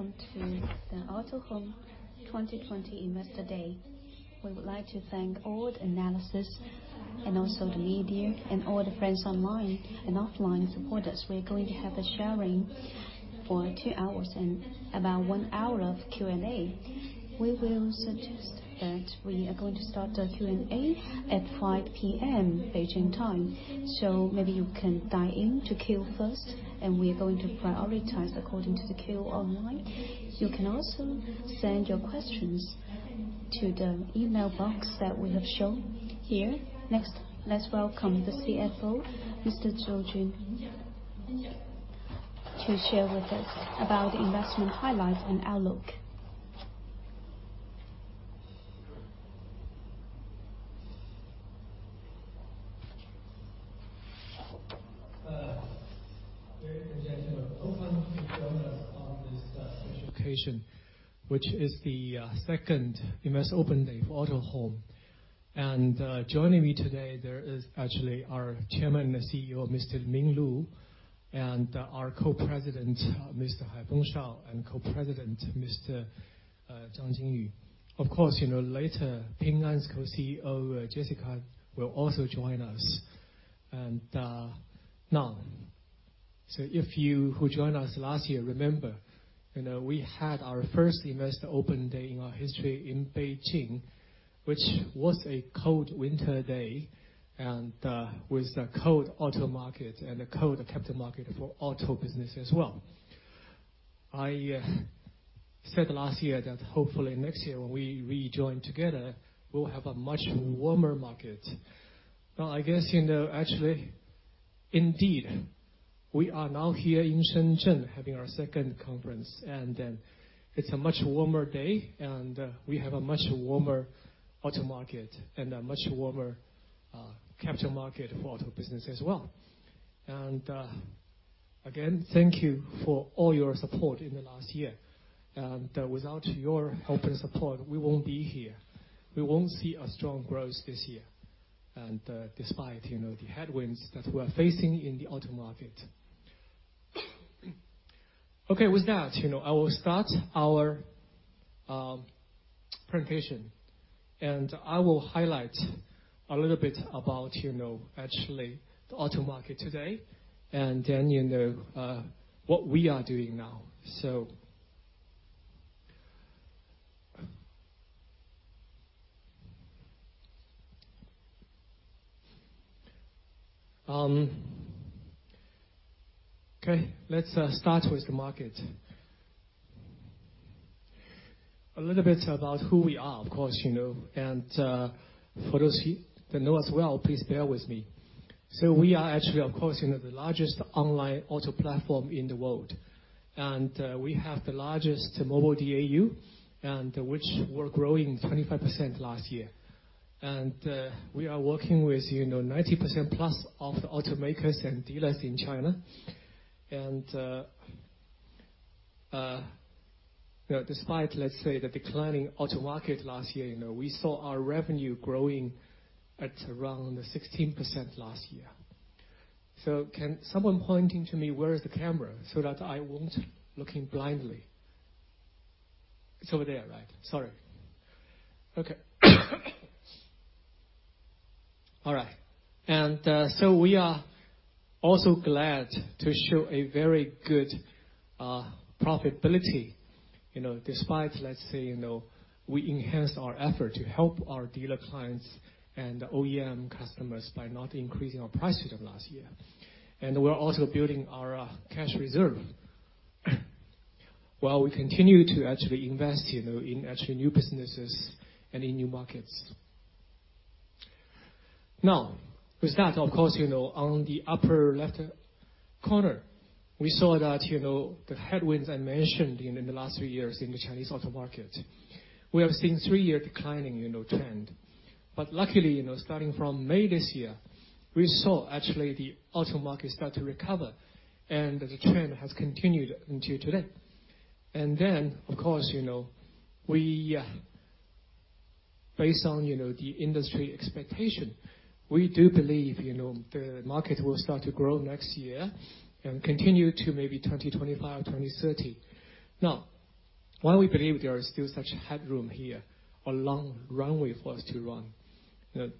Welcome to the Autohome 2020 Investor Day. We would like to thank all the analysts and also the media and all the friends online and offline supporters. We're going to have a sharing for two hours and about one hour of Q& A. We will suggest that we are going to start the Q&A at 5:00 P.M. Beijing time, so maybe you can dive in to queue first, and we are going to prioritize according to the queue online. You can also send your questions to the email box that we have shown here. Next, let's welcome the CFO, Mr. Jun Zou, to share with us about the investment highlights and outlook. Very congested. Welcome to join us on this special occasion, which is the second U.S. Open Day for Autohome. Joining me today, there is actually our Chairman and CEO, Mr. Min Lu, and our Co-President, Mr. Haifeng Shao, and Co-President, Mr. Jingyu Zhang. Of course, later Ping An's Co-CEO, Jessica, will also join us. Now, if you who joined us last year remember we had our first U.S. Open Day in our history in Beijing, which was a cold winter day and with a cold auto market and a cold capital market for auto business as well. I said last year that hopefully next year when we rejoin together, we'll have a much warmer market. Now, I guess actually, indeed, we are now here in Shenzhen having our second conference, and it's a much warmer day, and we have a much warmer auto market and a much warmer capital market for auto business as well. And again, thank you for all your support in the last year. And without your help and support, we won't be here. We won't see a strong growth this year despite the headwinds that we are facing in the auto market. Okay, with that, I will start our presentation, and I will highlight a little bit about actually the auto market today and then what we are doing now. So. Okay, let's start with the market. A little bit about who we are, of course, and for those that know us well, please bear with me. So we are actually, of course, the largest online auto platform in the world, and we have the largest mobile DAU, which we're growing 25% last year. And we are working with 90% plus of the automakers and dealers in China. And despite, let's say, the declining auto market last year, we saw our revenue growing at around 16% last year. So can someone pointing to me where is the camera so that I won't look blindly? It's over there, right? Sorry. Okay. All right. And so we are also glad to show a very good profitability despite, let's say, we enhanced our effort to help our dealer clients and OEM customers by not increasing our price to them last year. And we're also building our cash reserve while we continue to actually invest in actually new businesses and in new markets. Now, with that, of course, on the upper left corner, we saw that the headwinds I mentioned in the last few years in the Chinese auto market, we have seen a three-year declining trend, but luckily, starting from May this year, we saw actually the auto market start to recover, and the trend has continued until today, and then, of course, based on the industry expectation, we do believe the market will start to grow next year and continue to maybe 2025-2030. Now, why we believe there is still such headroom here or long runway for us to run.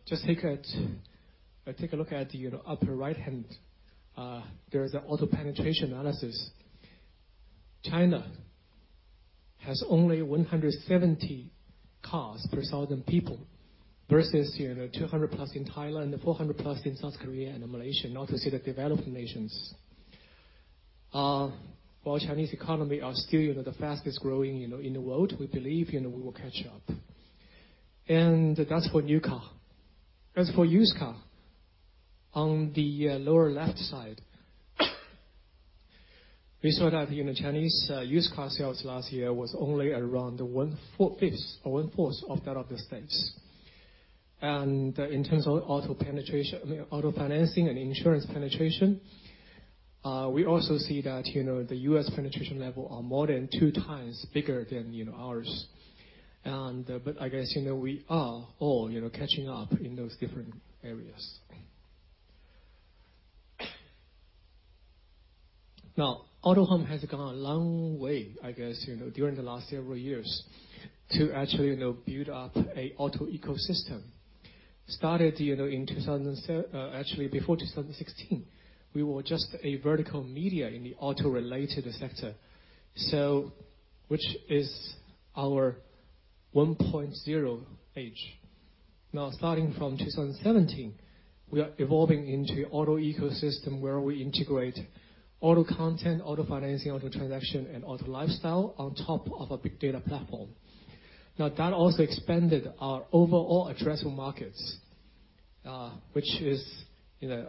Just take a look at the upper right hand. There is an auto penetration analysis. China has only 170 cars per 1,000 people versus 200 plus in Thailand, 400 plus in South Korea and Malaysia, not to say the developed nations. While the Chinese economy is still the fastest growing in the world, we believe we will catch up, and that's for new car. As for used car, on the lower left side, we saw that Chinese used car sales last year was only around one-fifth or one-fourth of that of the United States. And in terms of auto financing and insurance penetration, we also see that the U.S. penetration level is more than two times bigger than ours, but I guess we are all catching up in those different areas. Now, Autohome has gone a long way, I guess, during the last several years to actually build up an auto ecosystem. Started in 2007, actually before 2016, we were just a vertical media in the auto-related sector, which is our 1.0 age. Now, starting from 2017, we are evolving into an auto ecosystem where we integrate auto content, auto financing, auto transaction, and auto lifestyle on top of a big data platform. Now, that also expanded our overall addressable markets, which is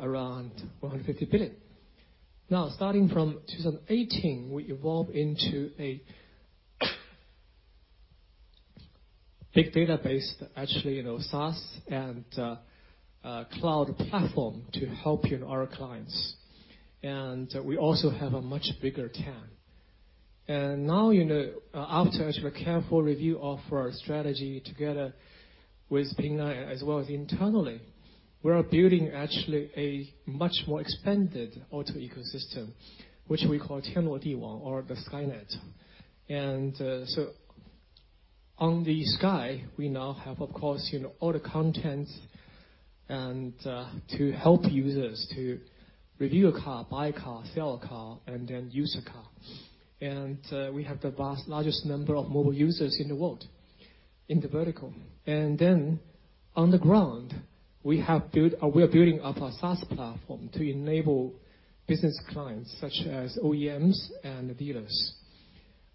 around 150 billion. Now, starting from 2018, we evolved into a big data-based, actually SaaS and cloud platform to help our clients. And we also have a much bigger TAM. And now, after actually a careful review of our strategy together with Ping An as well as internally, we are building actually a much more expanded auto ecosystem, which we call SkyNet. And so on Sky, we now have, of course, all the contents to help users to review a car, buy a car, sell a car, and then use a car. We have the largest number of mobile users in the world in the vertical. And then on the ground, we are building up a SaaS platform to enable business clients such as OEMs and dealers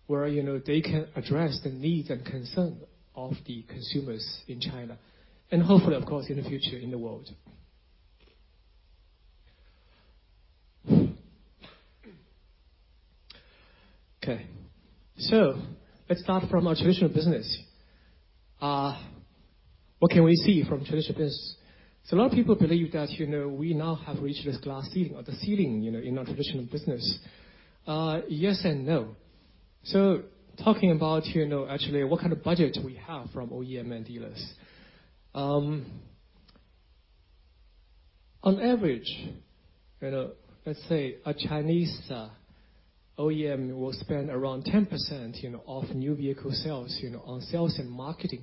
where they can address the needs and concerns of the consumers in China and hopefully, of course, in the future in the world. Okay. So let's start from our traditional business. What can we see from traditional business? So a lot of people believe that we now have reached this glass ceiling or the ceiling in our traditional business. Yes and no. So talking about actually what kind of budget we have from OEM and dealers. On average, let's say a Chinese OEM will spend around 10% of new vehicle sales on sales and marketing.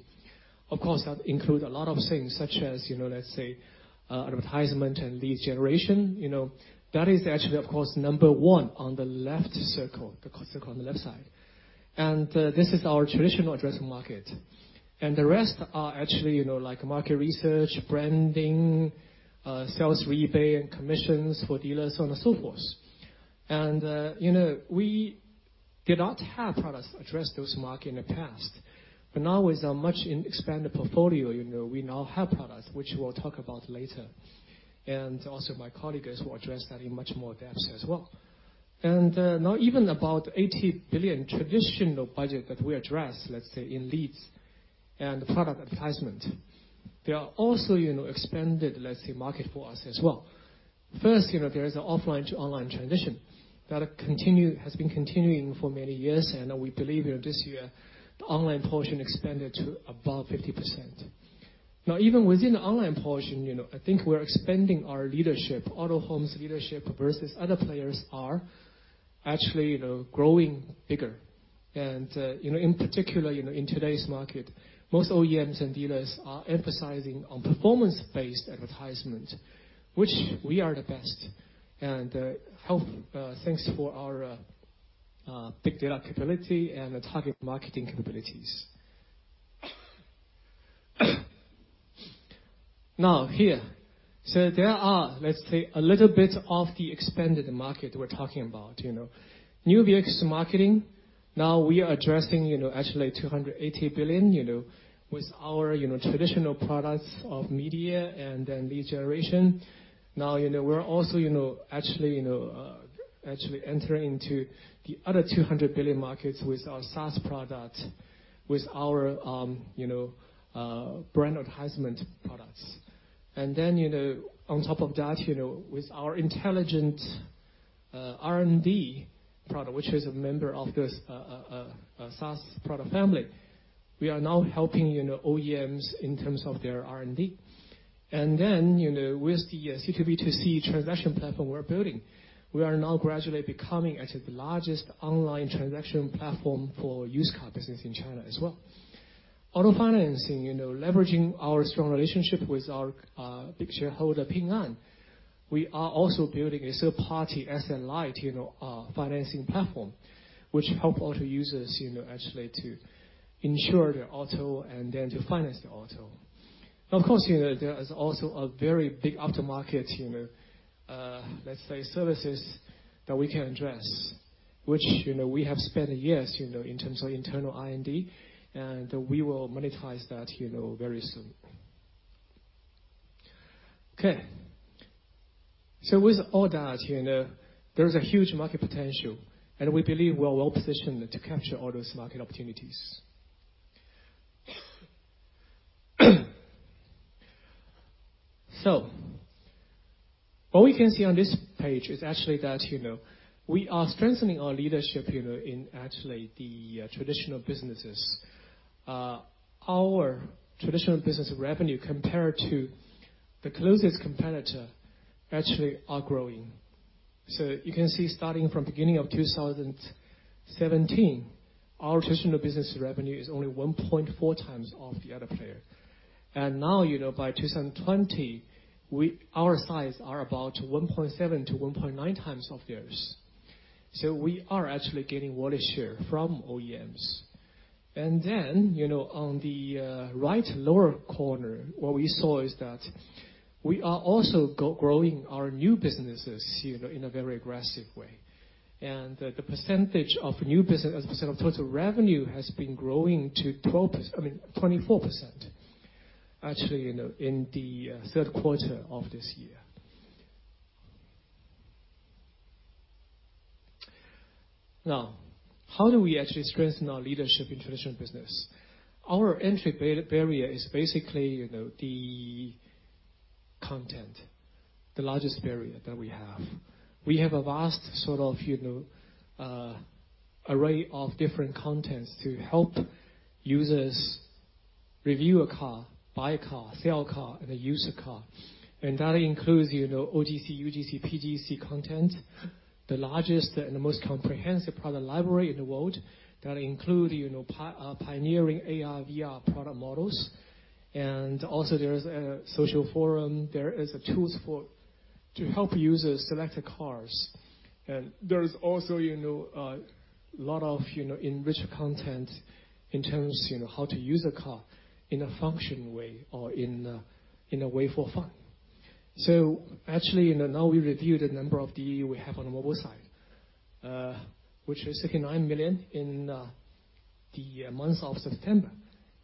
Of course, that includes a lot of things such as, let's say, advertisement and lead generation. That is actually, of course, number one on the left circle, the circle on the left side. And this is our traditional addressable market. And the rest are actually like market research, branding, sales rebate, and commissions for dealers, so on and so forth. And we did not have products addressed to those markets in the past. But now, with our much expanded portfolio, we now have products, which we'll talk about later. And also, my colleagues will address that in much more depth as well. And now, even about 80 billion traditional budget that we address, let's say, in leads and product advertisement, there are also expanded, let's say, market for us as well. First, there is an offline to online transition that has been continuing for many years, and we believe this year the online portion expanded to above 50%. Now, even within the online portion, I think we're expanding our leadership. Autohome's leadership versus other players are actually growing bigger. And in particular, in today's market, most OEMs and dealers are emphasizing performance-based advertisement, which we are the best. And thanks for our big data capability and target marketing capabilities. Now, here, so there are, let's say, a little bit of the expanded market we're talking about. New vehicle marketing, now we are addressing actually 280 billion with our traditional products of media and then lead generation. Now, we're also actually entering into the other 200 billion markets with our SaaS product, with our brand advertisement products. And then on top of that, with our intelligent R&D product, which is a member of the SaaS product family, we are now helping OEMs in terms of their R&D. And then with the C2B2C transaction platform we're building, we are now gradually becoming actually the largest online transaction platform for used car business in China as well. Auto financing, leveraging our strong relationship with our big shareholder, Ping An, we are also building a third-party S&I financing platform, which helps auto users actually to insure their auto and then to finance their auto. Of course, there is also a very big aftermarket, let's say, services that we can address, which we have spent years in terms of internal R&D, and we will monetize that very soon. Okay. So with all that, there is a huge market potential, and we believe we are well positioned to capture all those market opportunities. So what we can see on this page is actually that we are strengthening our leadership in actually the traditional businesses. Our traditional business revenue compared to the closest competitor actually are growing. So you can see starting from the beginning of 2017, our traditional business revenue is only 1.4 times of the other player. And now, by 2020, our size are about 1.7 to 1.9 times of theirs. So we are actually getting wallet share from OEMs. And then on the right lower corner, what we saw is that we are also growing our new businesses in a very aggressive way. And the percentage of new business as a percent of total revenue has been growing to 24% actually in the third quarter of this year. Now, how do we actually strengthen our leadership in traditional business? Our entry barrier is basically the content, the largest barrier that we have. We have a vast sort of array of different contents to help users review a car, buy a car, sell a car, and use a car, and that includes OGC, UGC, PGC content, the largest and most comprehensive product library in the world that includes pioneering AR, VR product models, and also there is a social forum. There is a tool to help users select cars. And there is also a lot of enriched content in terms of how to use a car in a functional way or in a way for fun. So actually now we reviewed the number of DAU we have on the mobile side, which is 69 million in the month of September,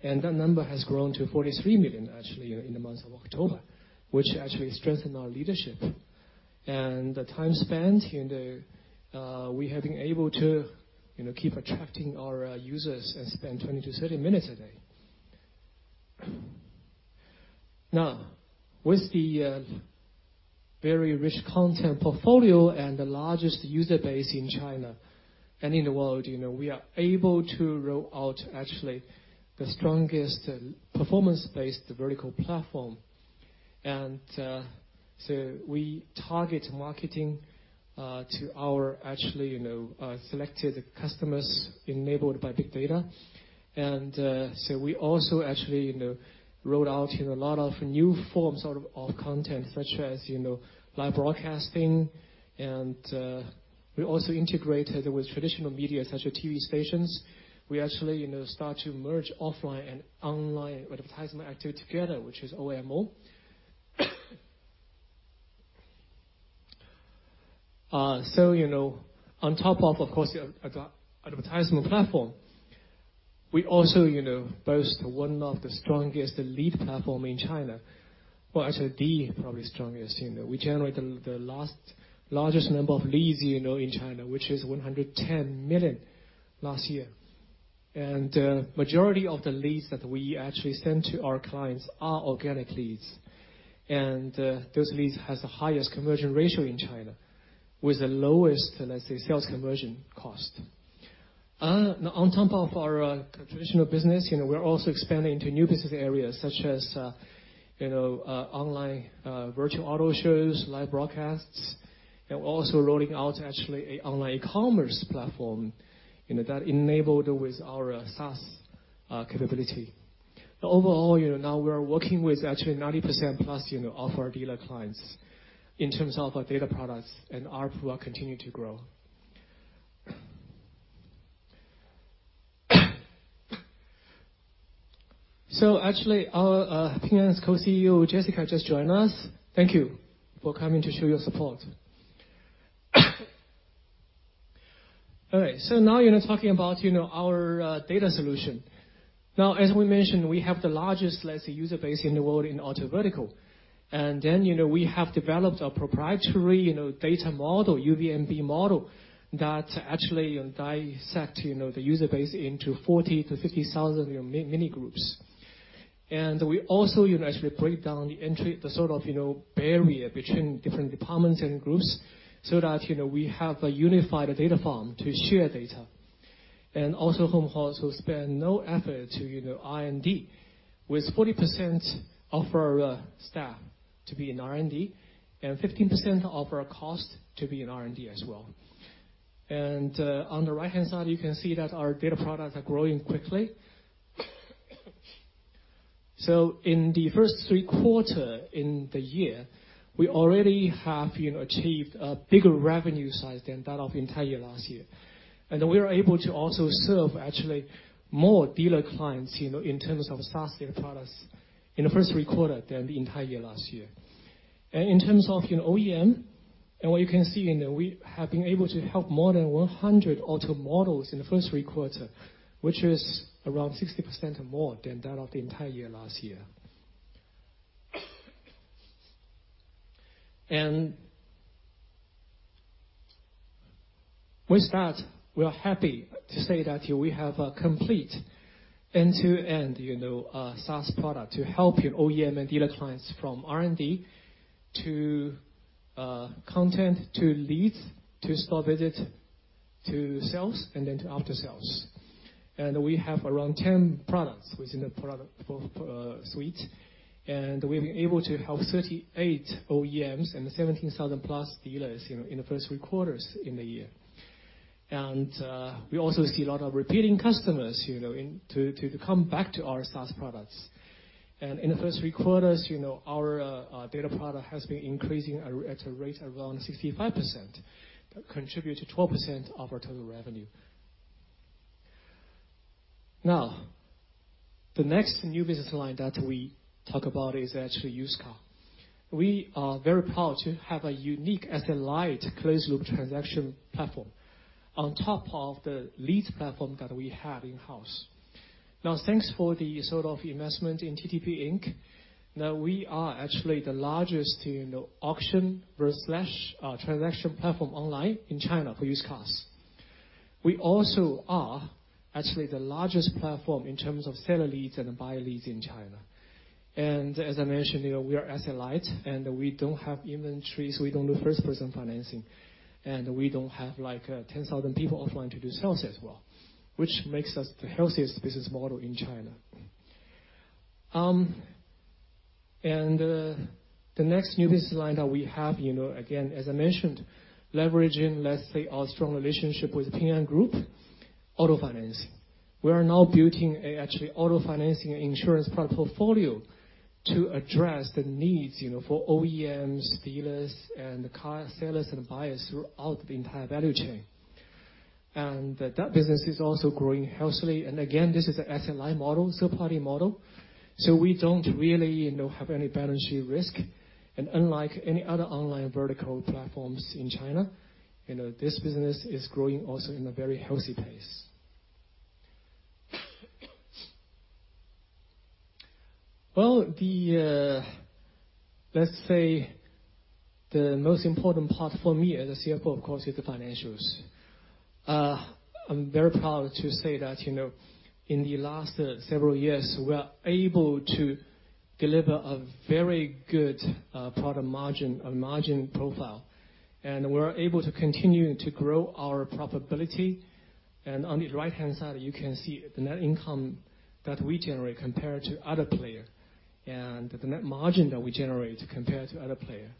and that number has grown to 43 million actually in the month of October, which actually strengthened our leadership. The time spent we have been able to keep attracting our users and spend 20-30 minutes a day. Now, with the very rich content portfolio and the largest user base in China and in the world, we are able to roll out actually the strongest performance-based vertical platform. So we target marketing to our actually selected customers enabled by big data. So we also actually rolled out a lot of new forms of content such as live broadcasting. We also integrated with traditional media such as TV stations. We actually start to merge offline and online advertisement activity together, which is OMO. So on top of, of course, advertisement platform, we also boast one of the strongest lead platforms in China. Actually, the probably strongest. We generate the largest number of leads in China, which is 110 million last year. And the majority of the leads that we actually send to our clients are organic leads. And those leads have the highest conversion ratio in China with the lowest, let's say, sales conversion cost. Now, on top of our traditional business, we are also expanding into new business areas such as online virtual auto shows, live broadcasts. And we're also rolling out actually an online e-commerce platform that is enabled with our SaaS capability. Overall, now we are working with actually 90% plus of our dealer clients in terms of our data products, and our pool will continue to grow. So actually, our Ping An's Co-CEO, Jessica, just joined us. Thank you for coming to show your support. All right. So now talking about our data solution. Now, as we mentioned, we have the largest, let's say, user base in the world in auto vertical. And then we have developed a proprietary data model, UVMB model, that actually dissects the user base into 40-50,000 mini groups. And we also actually break down the sort of barrier between different departments and groups so that we have a unified data farm to share data. And Autohome also spares no effort in R&D with 40% of our staff in R&D and 15% of our costs in R&D as well. And on the right-hand side, you can see that our data products are growing quickly. So in the first three quarters in the year, we already have achieved a bigger revenue size than that of the entire last year. And we are able to also serve actually more dealer clients in terms of SaaS data products in the first three quarters than the entire last year. And in terms of OEM, and what you can see, we have been able to help more than 100 auto models in the first three quarters, which is around 60% more than that of the entire last year. And with that, we are happy to say that we have a complete end-to-end SaaS product to help OEM and dealer clients from R&D to content to leads to store visit to sales and then to after-sales. And we have around 10 products within the product suite. And we've been able to help 38 OEMs and 17,000 plus dealers in the first three quarters in the year. And we also see a lot of repeating customers to come back to our SaaS products. And in the first three quarters, our data product has been increasing at a rate around 65%, contributing to 12% of our total revenue. Now, the next new business line that we talk about is actually used car. We are very proud to have a unique asset-light closed-loop transaction platform on top of the lead platform that we have in-house. Now, thanks for the sort of investment in TTP Inc. Now, we are actually the largest auction/transaction platform online in China for used cars. We also are actually the largest platform in terms of seller leads and buyer leads in China. And as I mentioned, we are asset-light, and we don't have inventory, so we don't do first-party financing. And we don't have like 10,000 people offline to do sales as well, which makes us the healthiest business model in China. And the next new business line that we have, again, as I mentioned, leveraging, let's say, our strong relationship with Ping An Group, auto financing. We are now building actually auto financing and insurance product portfolio to address the needs for OEMs, dealers, and car sellers and buyers throughout the entire value chain. And that business is also growing healthily. And again, this is an asset-light model, third-party model. So we don't really have any balance sheet risk. And unlike any other online vertical platforms in China, this business is growing also in a very healthy pace. Well, let's say the most important part for me as a CFO, of course, is the financials. I'm very proud to say that in the last several years, we are able to deliver a very good product margin profile. And we're able to continue to grow our profitability. And on the right-hand side, you can see the net income that we generate compared to other players and the net margin that we generate compared to other players.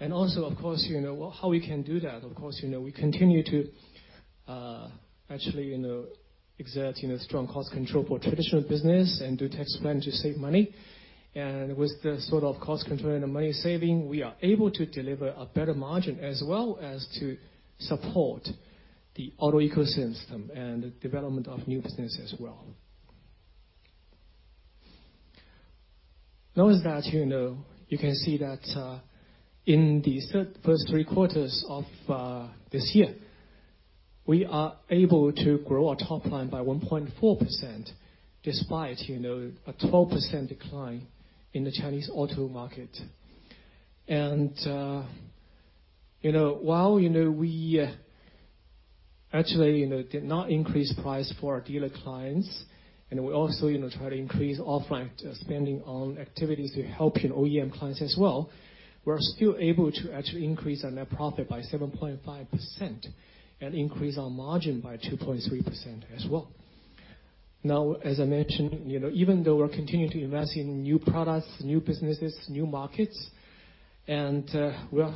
And also, of course, how we can do that. Of course, we continue to actually exert strong cost control for traditional business and do tax planning to save money. And with the sort of cost control and the money saving, we are able to deliver a better margin as well as to support the auto ecosystem and the development of new business as well. Now, as that, you can see that in the first three quarters of this year, we are able to grow our top line by 1.4% despite a 12% decline in the Chinese auto market. And while we actually did not increase price for our dealer clients, and we also try to increase offline spending on activities to help OEM clients as well, we're still able to actually increase our net profit by 7.5% and increase our margin by 2.3% as well. Now, as I mentioned, even though we're continuing to invest in new products, new businesses, new markets, and we're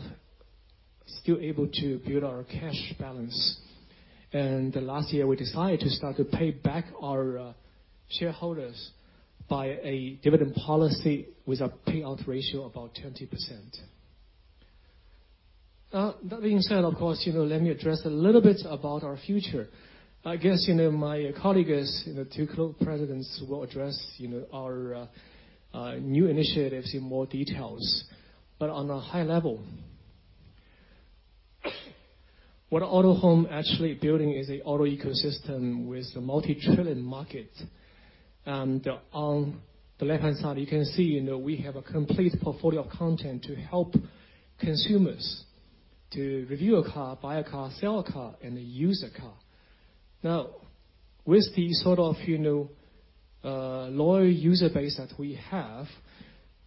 still able to build our cash balance, and last year, we decided to start to pay back our shareholders by a dividend policy with a payout ratio of about 20%. Now, that being said, of course, let me address a little bit about our future. I guess my colleagues, two co-presidents, will address our new initiatives in more details, but on a high level, what Autohome is actually building is an auto ecosystem with a multi-trillion market, and on the left-hand side, you can see we have a complete portfolio of content to help consumers to review a car, buy a car, sell a car, and use a car. Now, with the sort of loyal user base that we have,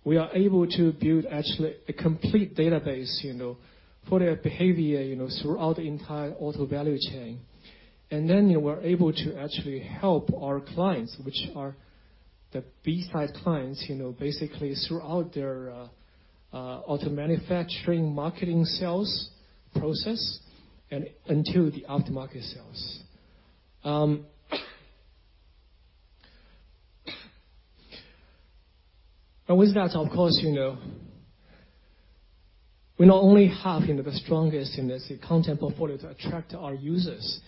we are able to build actually a complete database for their behavior throughout the entire auto value chain. And then we're able to actually help our clients, which are the B-side clients, basically throughout their auto manufacturing marketing sales process and until the aftermarket sales. Now, with that, of course, we not only have the strongest content portfolio to attract our users.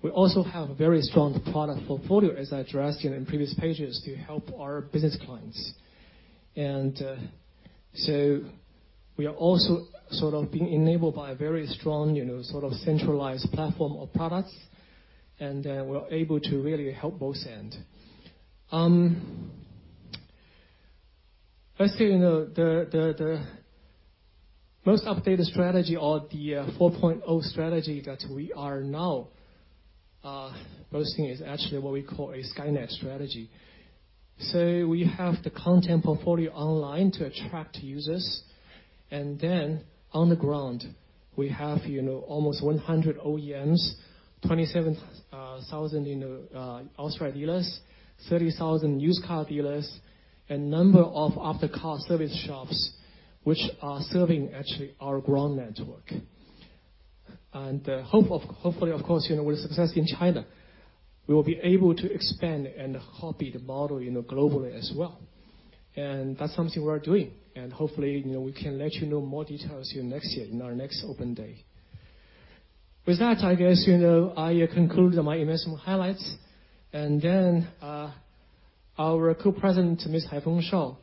We also have a very strong product portfolio, as I addressed in previous pages, to help our business clients. And so we are also sort of being enabled by a very strong sort of centralized platform of products. And then we're able to really help both ends. Let's say the most updated strategy or the 4.0 strategy that we are now boasting is actually what we call a SkyNet strategy. We have the content portfolio online to attract users. And then on the ground, we have almost 100 OEMs, 27,000 outside dealers, 30,000 used car dealers, and a number of after-car service shops, which are serving actually our ground network. And hopefully, of course, with success in China, we will be able to expand and copy the model globally as well. And that's something we're doing. And hopefully, we can let you know more details next year in our next open day. With that, I guess I conclude my investment highlights. And then our Co-President, Ms. Haifeng Shao,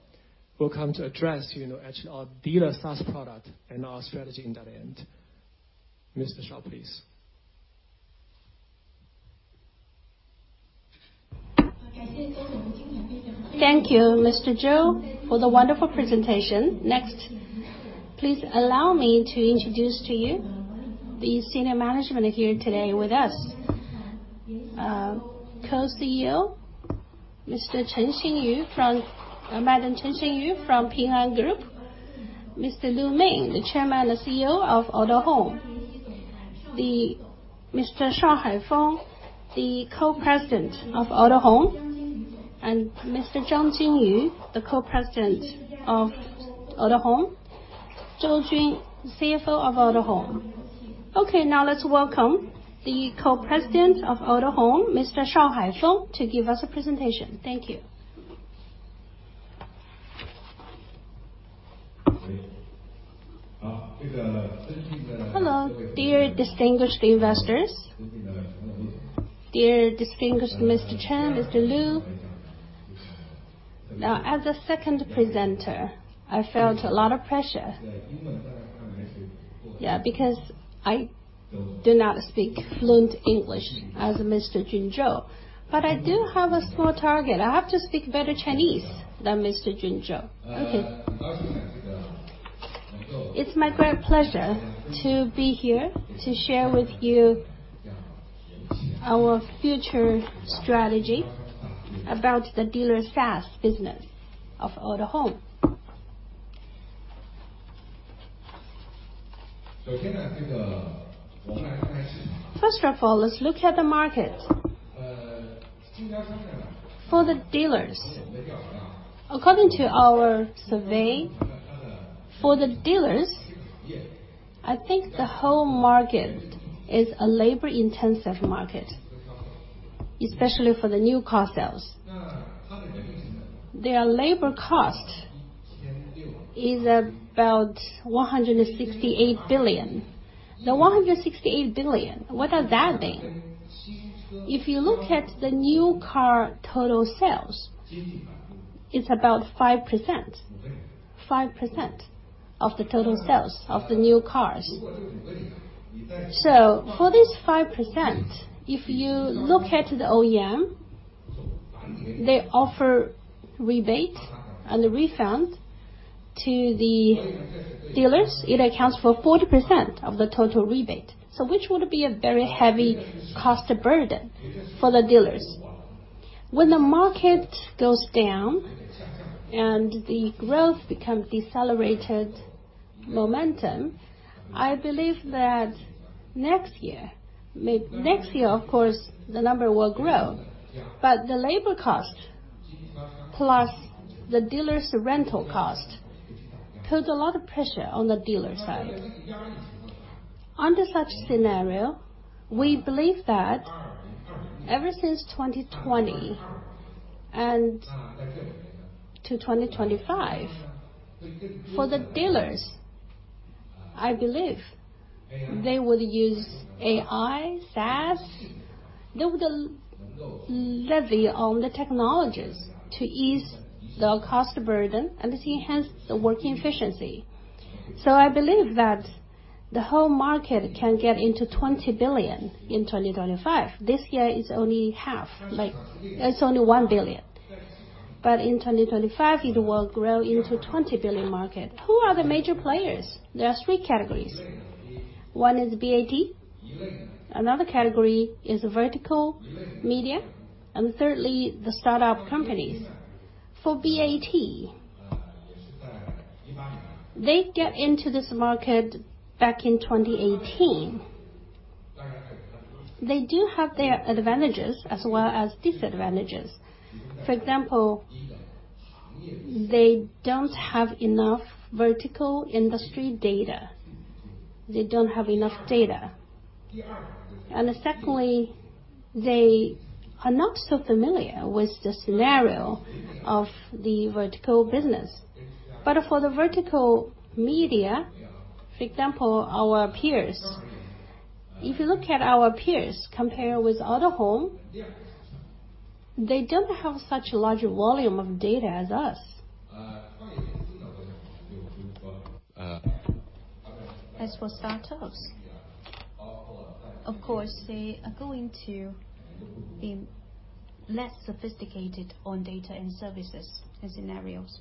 will come to address actually our dealer SaaS product and our strategy in that end. Ms. Shao, please. Thank you, Mr. Zhou, for the wonderful presentation. Next, please allow me to introduce to you the senior management here today with us: Co-CEO, Madam Chen Shengyu from Ping An Group, Mr. Min Lu, the Chairman and CEO of Autohome, Mr. Haifeng Shao, the Co-President of Autohome, and Mr. Jingyu Zhang, the Co-President of Autohome, Jun Zhou, CFO of Autohome. Okay. Now, let's welcome the Co-President of Autohome, Mr. Haifeng Shao, to give us a presentation. Thank you. Hello. Dear distinguished investors. Dear distinguished Mr. Chen, Mr. Liu. Now, as a second presenter, I felt a lot of pressure. Yeah, because I do not speak fluent English as Mr. Jun Zhou. But I do have a small target. I have to speak better Chinese than Mr. Jun Zhou. It's my great pleasure to be here to share with you our future strategy about the dealer SaaS business of Autohome. First of all, let's look at the market for the dealers. According to our survey, for the dealers, I think the whole market is a labor-intensive market, especially for the new car sales. Their labor cost is about 168 billion. Now, 168 billion, what does that mean? If you look at the new car total sales, it's about 5%, 5% of the total sales of the new cars. So for this 5%, if you look at the OEM, they offer rebate and refund to the dealers. It accounts for 40% of the total rebate. So which would be a very heavy cost burden for the dealers? When the market goes down and the growth becomes decelerated momentum, I believe that next year, of course, the number will grow. But the labor cost plus the dealer's rental cost puts a lot of pressure on the dealer side. Under such scenario, we believe that ever since 2020 and to 2025, for the dealers, I believe they would use AI, SaaS. They would leverage the technologies to ease the cost burden and to enhance the working efficiency. So I believe that the whole market can get into 20 billion in 2025. This year, it's only half. It's only 1 billion. But in 2025, it will grow into a 20-billion market. Who are the major players? There are three categories. One is BAT. Another category is vertical media. And thirdly, the startup companies. For BAT, they get into this market back in 2018. They do have their advantages as well as disadvantages. For example, they don't have enough vertical industry data. They don't have enough data. And secondly, they are not so familiar with the scenario of the vertical business. But for the vertical media, for example, our peers, if you look at our peers compared with Autohome, they don't have such a large volume of data as us. As for startups, of course, they are going to be less sophisticated on data and services and scenarios.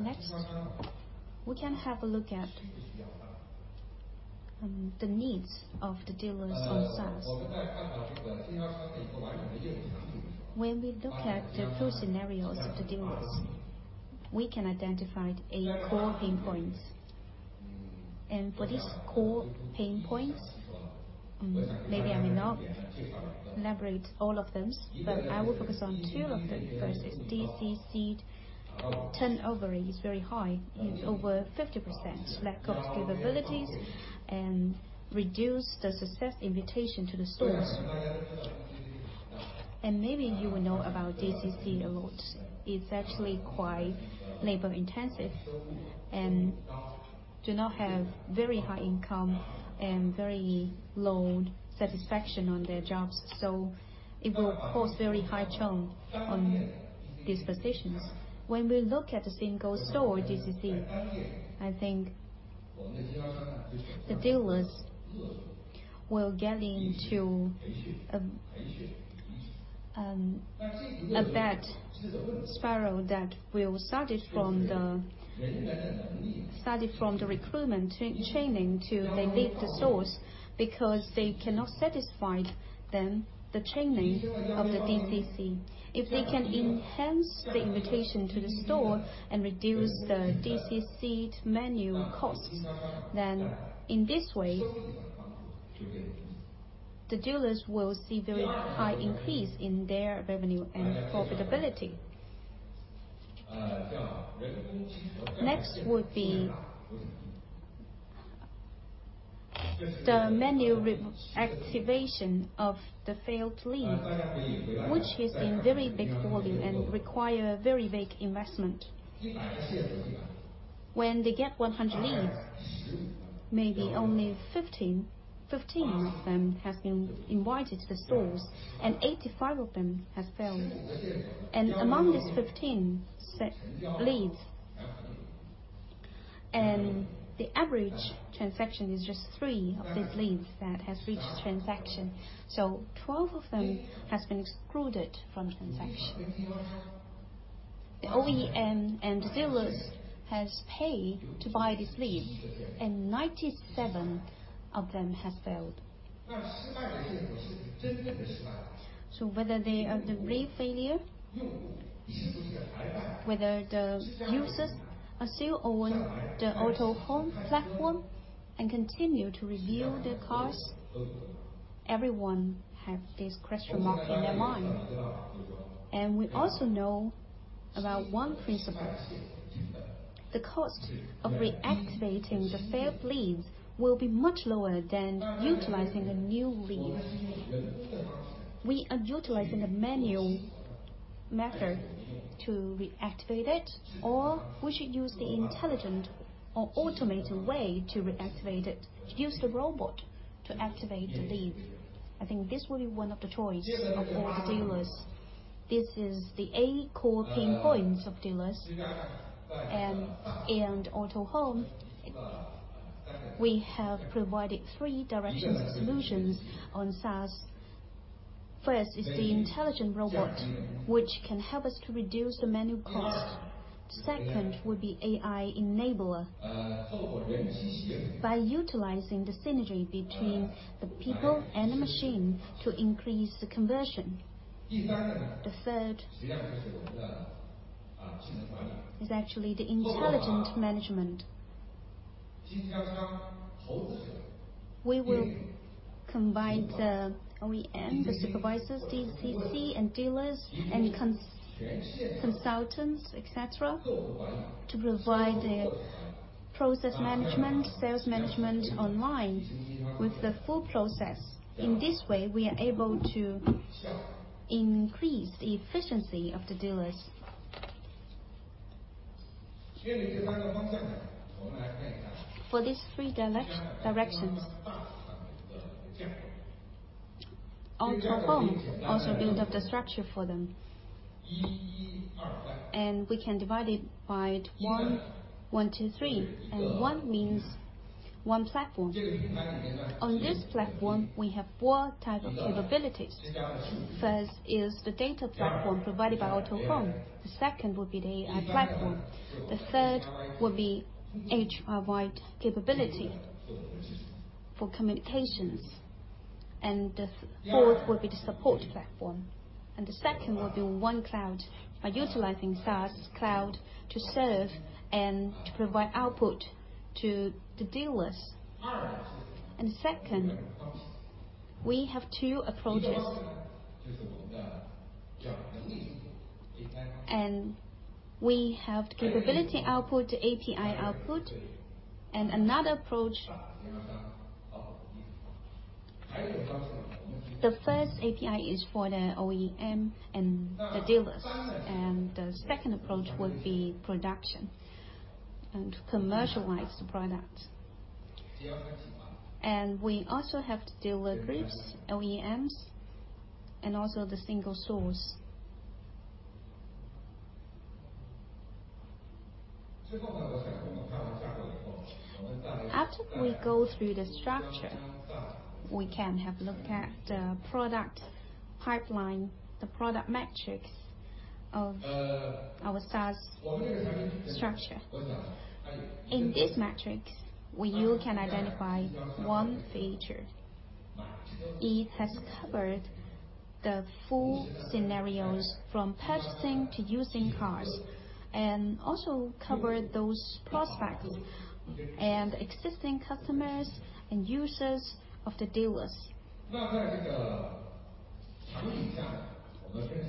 Next, we can have a look at the needs of the dealers on SaaS. When we look at the full scenarios of the dealers, we can identify eight core pain points. And for these core pain points, maybe I may not elaborate all of them, but I will focus on two of them first. Its DCC turnover is very high. It's over 50%. Lack of capabilities and reduced the success invitation to the stores. And maybe you will know about DCC a lot. It's actually quite labor-intensive and do not have very high income and very low satisfaction on their jobs. So it will cause very high churn on these positions. When we look at the single store DCC, I think the dealers will get into a bad spiral that will start from the recruitment training to they leave the stores because they cannot satisfy them the training of the DCC. If they can enhance the invitation to the store and reduce the DCC menu costs, then in this way, the dealers will see a very high increase in their revenue and profitability. Next would be the menu activation of the failed leads, which has been very big volume and requires very big investment. When they get 100 leads, maybe only 15 of them have been invited to the stores and 85 of them have failed. And among these 15 leads, the average transaction is just three of these leads that have reached transaction. So 12 of them have been excluded from transaction. The OEM and dealers have paid to buy these leads, and 97% of them have failed, so whether they are the real failure, whether the users still own the Autohome platform and continue to review the cars, everyone has this question mark in their mind, and we also know about one principle. The cost of reactivating the failed leads will be much lower than utilizing a new lead. We are utilizing the manual method to reactivate it, or we should use the intelligent or automated way to reactivate it, use the robot to activate the lead. I think this will be one of the choices of all the dealers. This is the eight core pain points of dealers, and Autohome, we have provided three directions of solutions on SaaS. First is the intelligent robot, which can help us to reduce the manual cost. Second would be AI-enabled by utilizing the synergy between the people and the machine to increase the conversion. The third is actually the intelligent management. We will combine the OEM, the supervisors, DCC, and dealers and consultants, etc., to provide the process management, sales management online with the full process. In this way, we are able to increase the efficiency of the dealers. Autohome also built up the structure for them, and we can divide it by one, two, three. And one means one platform. On this platform, we have four types of capabilities. First is the data platform provided by Autohome. The second would be the AI platform. The third would be HR-wide capability for communications. And the fourth would be the support platform. And the second would be OneCloud by utilizing SaaS Cloud to serve and to provide output to the dealers. And second, we have two approaches. And we have capability output, API output. And another approach, the first API is for the OEM and the dealers. And the second approach would be production and to commercialize the product. And we also have dealer groups, OEMs, and also the single source. After we go through the structure, we can have a look at the product pipeline, the product metrics of our SaaS structure. In these metrics, you can identify one feature. It has covered the full scenarios from purchasing to using cars and also covered those prospects and existing customers and users of the dealers.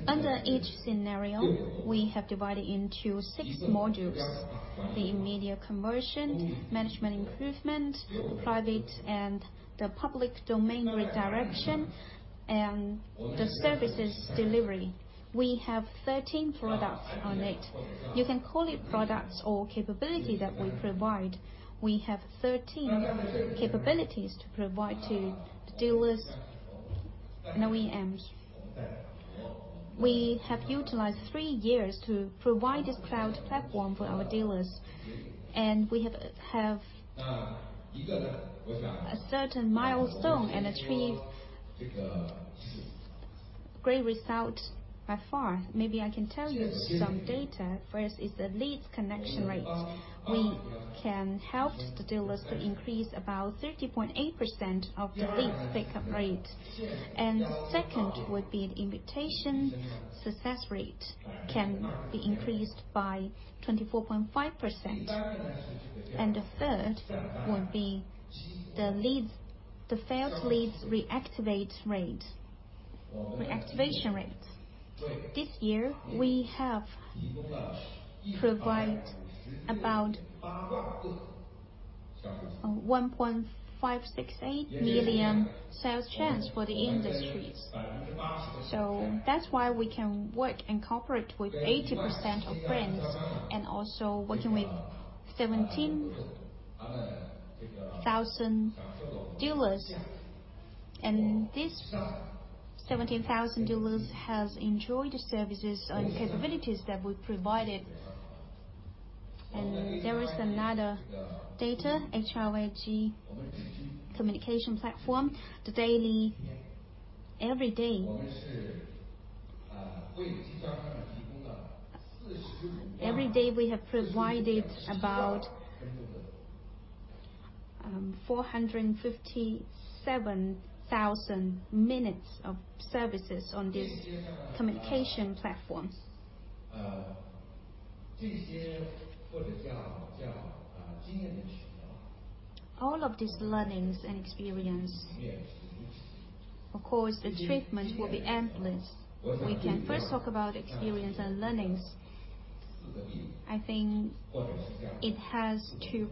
Under each scenario, we have divided into six modules: the immediate conversion, management improvement, private and the public domain redirection, and the services delivery. We have 13 products on it. You can call it products or capability that we provide. We have 13 capabilities to provide to dealers and OEMs. We have utilized three years to provide this cloud platform for our dealers, and we have a certain milestone and achieved great results so far. Maybe I can tell you some data. First is the leads connection rate. We can help the dealers to increase about 30.8% of the leads pickup rate, and second would be the invitation success rate can be increased by 24.5%, and the third would be the failed leads reactivation rate. This year, we have provided about 1.568 million sales chance for the industries. So that's why we can work and cooperate with 80% of brands and also working with 17,000 dealers, and this 17,000 dealers have enjoyed the services and capabilities that we provided, and there is another data, HRYG communication platform. Every day, we have provided about 457,000 minutes of services on this communication platform. All of these learnings and experience, of course, the trend will be endless. We can first talk about experience and learnings. I think it has to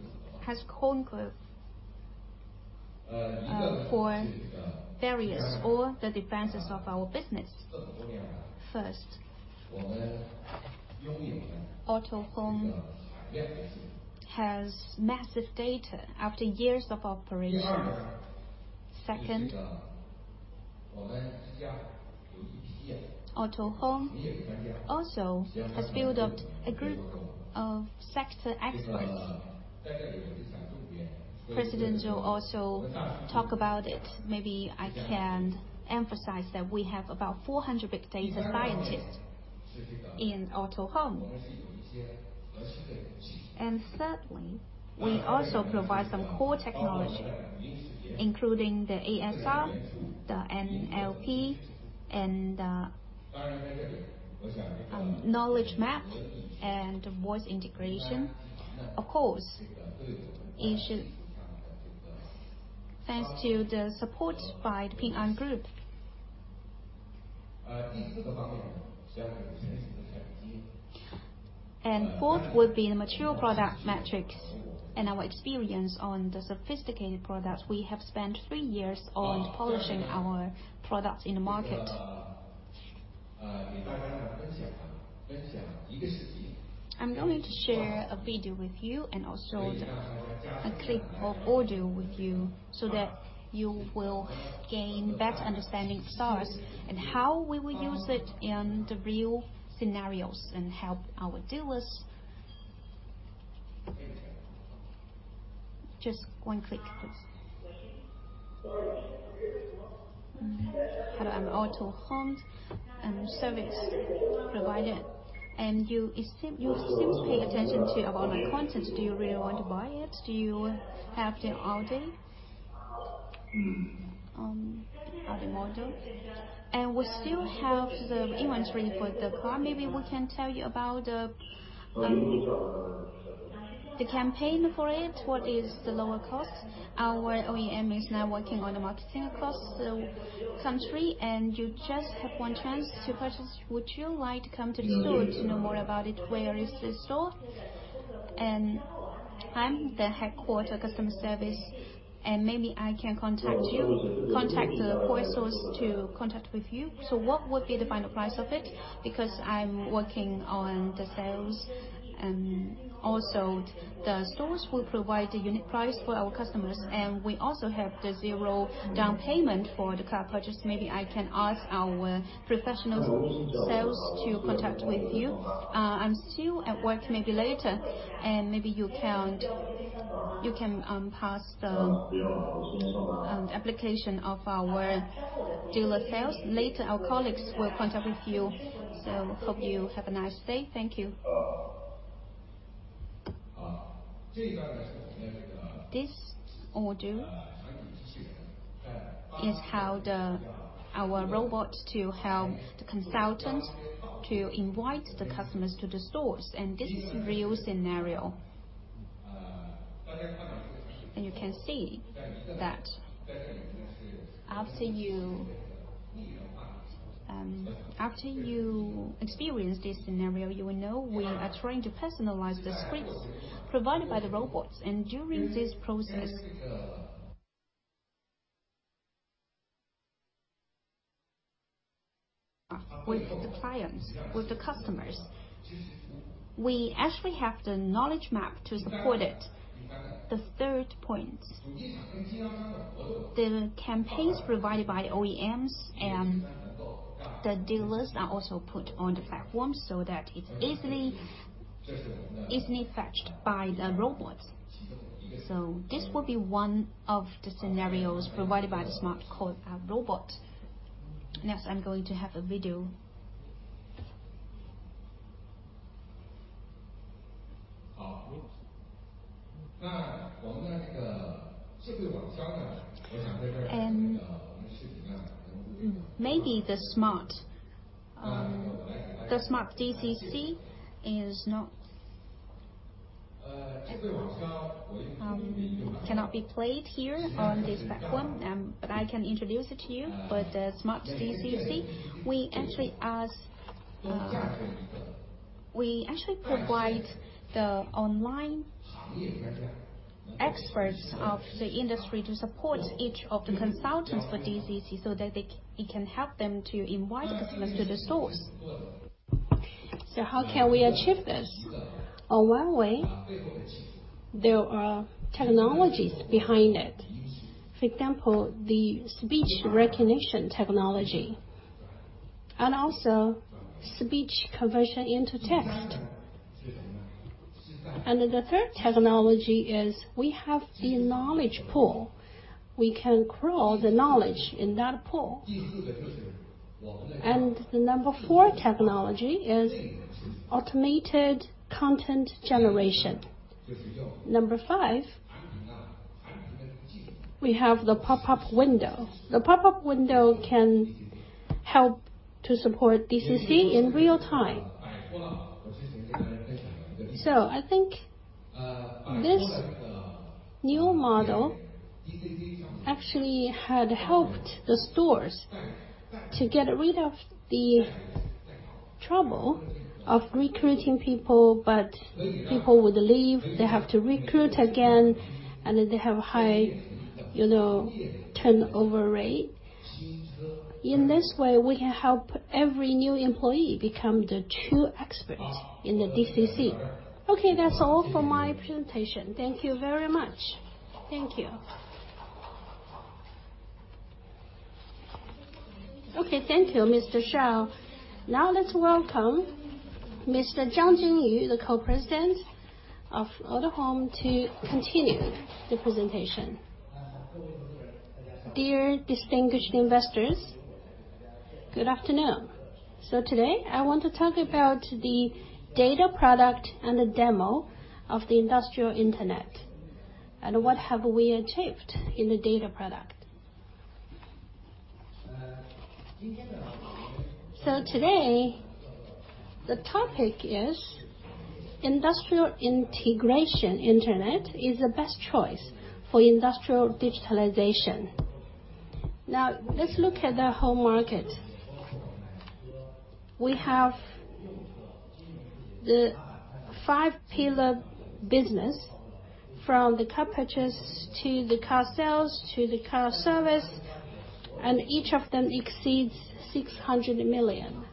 come from various core defenses of our business. First, Autohome has massive data after years of operation. Second, Autohome also has built up a group of sector experts. President also talked about it. Maybe I can emphasize that we have about 400 big data scientists in Autohome. And thirdly, we also provide some core technology, including the ASR, the NLP, and knowledge map and voice integration, of course, thanks to the support by the Ping An Group. And fourth would be the material product metrics and our experience on the sophisticated products. We have spent three years on polishing our products in the market. I'm going to share a video with you and also a clip of audio with you so that you will gain a better understanding of SaaS and how we will use it in the real scenarios and help our dealers. Just one click, please. How about Autohome and service provided? And you seem to pay attention to our content. Do you really want to buy it? Do you have the Audi model? And we still have the inventory for the car. Maybe we can tell you about the campaign for it. What is the lower cost? Our OEM is now working on the marketing across the country, and you just have one chance to purchase. Would you like to come to the store to know more about it? Where is the store? I'm the headquarters customer service, and maybe I can contact you, contact the purchase source to contact with you. So what would be the final price of it? Because I'm working on the sales. And also, the stores will provide a unique price for our customers. And we also have the zero down payment for the car purchase. Maybe I can ask our professional sales to contact with you. I'm still at work maybe later, and maybe you can pass the application of our dealer sales. Later, our colleagues will contact with you. So I hope you have a nice day. Thank you. This audio is how our robot helps the consultant to invite the customers to the stores. And this is a real scenario. And you can see that after you experience this scenario, you will know we are trying to personalize the scripts provided by the robots. During this process, with the clients, with the customers, we actually have the knowledge map to support it. The third point, the campaigns provided by OEMs and the dealers are also put on the platform so that it's easily fetched by the robots. This will be one of the scenarios provided by the smart robot. Next, I'm going to have a video. Maybe the smart DCC cannot be played here on this platform, but I can introduce it to you. The smart DCC, we actually provide the online experts of the industry to support each of the consultants for DCC so that it can help them to invite customers to the stores. How can we achieve this? One way, there are technologies behind it. For example, the speech recognition technology and also speech conversion into text. And the third technology is we have the knowledge pool. We can crawl the knowledge in that pool. And the number four technology is automated content generation. Number five, we have the pop-up window. The pop-up window can help to support DCC in real time. So I think this new model actually had helped the stores to get rid of the trouble of recruiting people, but people would leave. They have to recruit again, and they have a high turnover rate. In this way, we can help every new employee become the true expert in the DCC. Okay, that's all for my presentation. Thank you very much. Thank you. Okay, thank you, Mr. Shao. Now let's welcome Mr. Jingyu Zhang, the co-president of Autohome, to continue the presentation. Dear distinguished investors, good afternoon. So today, I want to talk about the data product and the demo of the Industrial Internet. What have we achieved in the data product? Today, the topic is Industrial Internet is the best choice for industrial digitalization. Now, let's look at the whole market. We have the five-pillar business from the car purchase to the car sales to the car service, and each of them exceeds 600 billion.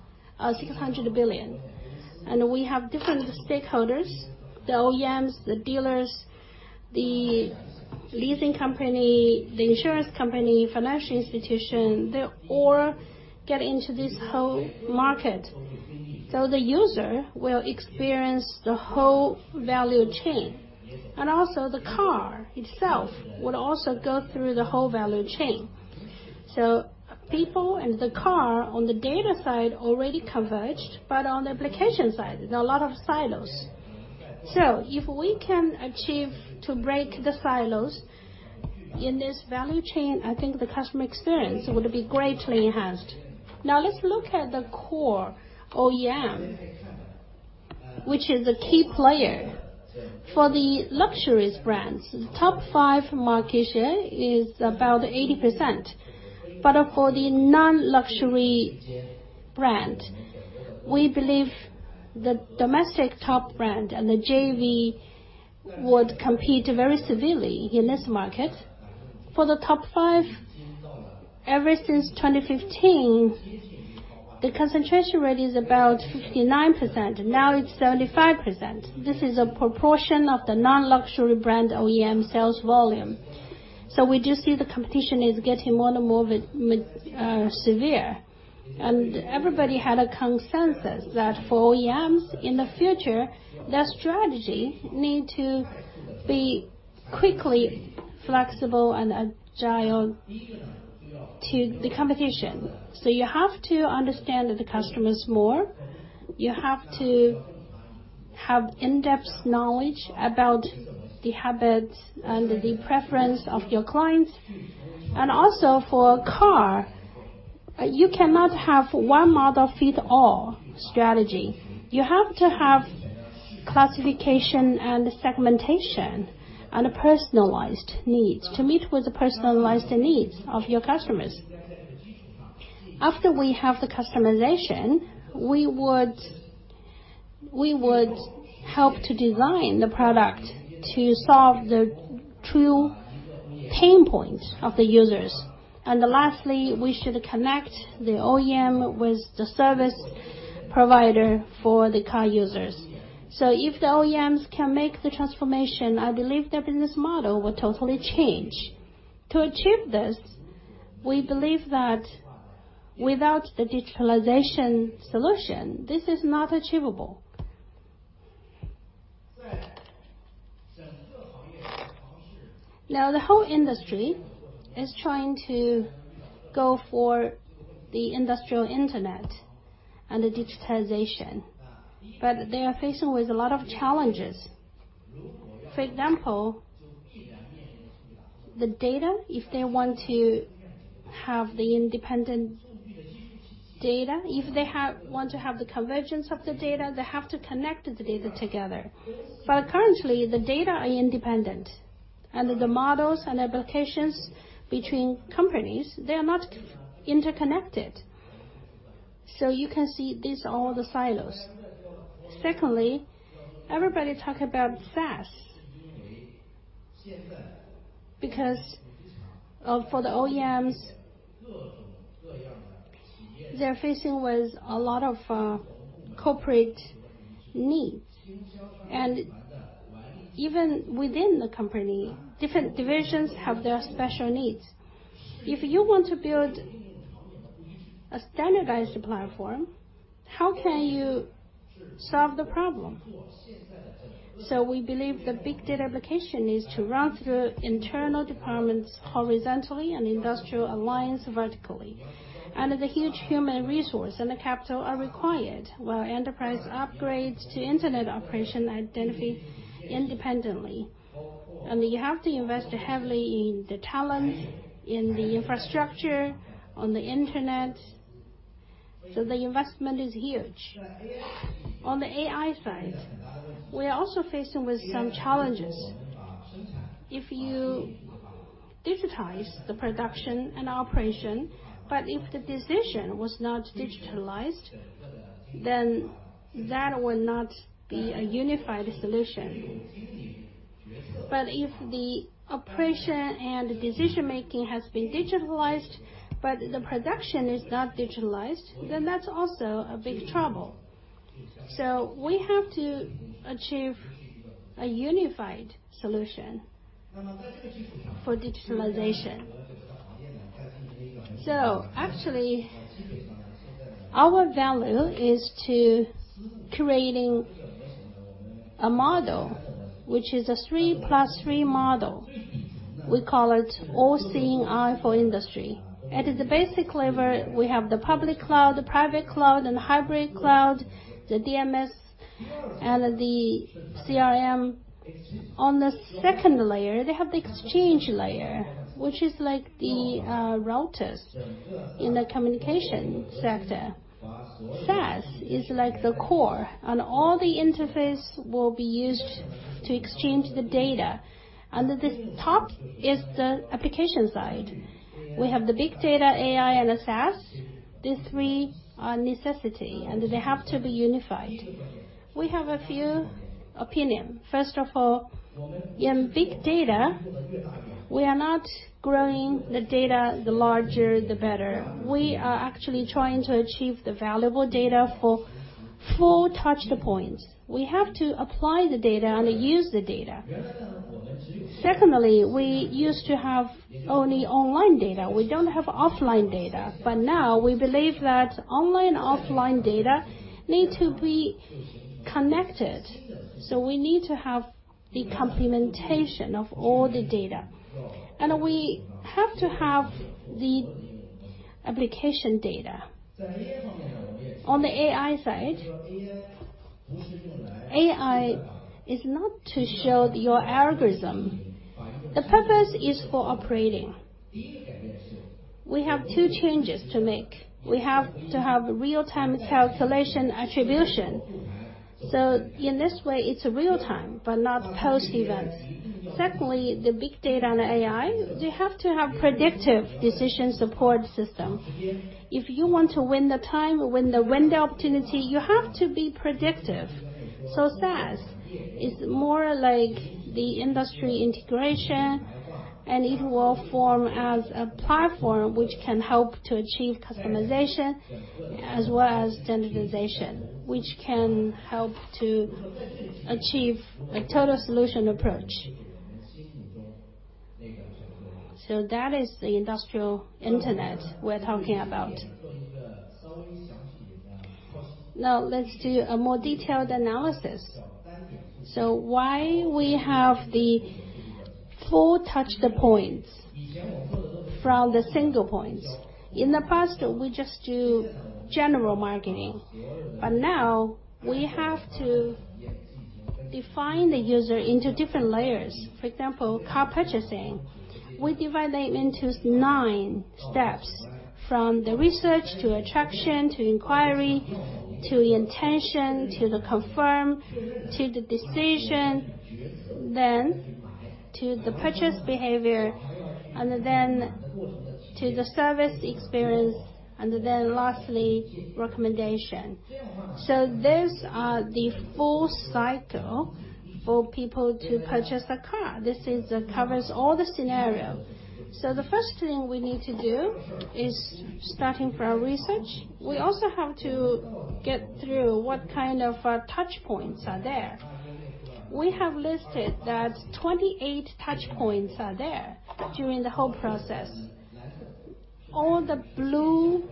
We have different stakeholders: the OEMs, the dealers, the leasing company, the insurance company, financial institution. They all get into this whole market. The user will experience the whole value chain. The car itself will also go through the whole value chain. People and the car on the data side already converged, but on the application side, there are a lot of silos. If we can achieve to break the silos in this value chain, I think the customer experience would be greatly enhanced. Now, let's look at the core OEM, which is a key player for the luxury brands. Top five market share is about 80%. But for the non-luxury brand, we believe the domestic top brand and the JV would compete very severely in this market. For the top five, ever since 2015, the concentration rate is about 59%. Now it's 75%. This is a proportion of the non-luxury brand OEM sales volume. So we do see the competition is getting more and more severe. And everybody had a consensus that for OEMs in the future, their strategy needs to be quickly flexible and agile to the competition. So you have to understand the customers more. You have to have in-depth knowledge about the habits and the preference of your clients. And also, for a car, you cannot have one model fit all strategy. You have to have classification and segmentation and personalized needs to meet with the personalized needs of your customers. After we have the customization, we would help to design the product to solve the true pain points of the users. And lastly, we should connect the OEM with the service provider for the car users. So if the OEMs can make the transformation, I believe their business model will totally change. To achieve this, we believe that without the digitalization solution, this is not achievable. Now, the whole industry is trying to go for the Industrial Internet and the digitalization, but they are facing with a lot of challenges. For example, the data, if they want to have the independent data, if they want to have the convergence of the data, they have to connect the data together. But currently, the data are independent, and the models and applications between companies, they are not interconnected. So you can see these are all the silos. Secondly, everybody talks about SaaS because for the OEMs, they're facing with a lot of corporate needs. And even within the company, different divisions have their special needs. If you want to build a standardized platform, how can you solve the problem? So we believe the big data application needs to run through internal departments horizontally and industrial alliance vertically. And the huge human resource and the capital are required while enterprise upgrades to internet operation identify independently. And you have to invest heavily in the talent, in the infrastructure, on the internet. So the investment is huge. On the AI side, we are also facing with some challenges. If you digitize the production and operation, but if the decision was not digitalized, then that will not be a unified solution, but if the operation and decision-making has been digitalized, but the production is not digitalized, then that's also a big trouble, so we have to achieve a unified solution for digitalization, so actually, our value is to create a model which is a three-plus-three model. We call it all CI for industry. It is basically where we have the public cloud, private cloud, and hybrid cloud, the DMS and the CRM. On the second layer, they have the exchange layer, which is like the routers in the communication sector. SaaS is like the core, and all the interface will be used to exchange the data, and the top is the application side. We have the big data, AI, and SaaS. These three are necessity, and they have to be unified. We have a few opinions. First of all, in big data, we are not growing the data the larger, the better. We are actually trying to achieve the valuable data for full touch points. We have to apply the data and use the data. Secondly, we used to have only online data. We don't have offline data, but now we believe that online and offline data need to be connected. So we need to have the complementation of all the data, and we have to have the application data. On the AI side, AI is not to show your algorithm. The purpose is for operating. We have two changes to make. We have to have real-time calculation attribution. So in this way, it's real-time, but not post-events. Secondly, the big data and AI, they have to have predictive decision support system. If you want to win the time, win the window opportunity, you have to be predictive. So SaaS is more like the industry integration, and it will form as a platform which can help to achieve customization as well as standardization, which can help to achieve a total solution approach. So that is the industrial internet we're talking about. Now, let's do a more detailed analysis. So why we have the full touch points from the single points? In the past, we just do general marketing. But now, we have to define the user into different layers. For example, car purchasing, we divide them into nine steps: from the research to attraction to inquiry to intention to the confirm to the decision, then to the purchase behavior, and then to the service experience, and then lastly, recommendation. So these are the full cycle for people to purchase a car. This covers all the scenarios. So the first thing we need to do is starting from research. We also have to get through what kind of touch points are there. We have listed that 28 touch points are there during the whole process. All the blue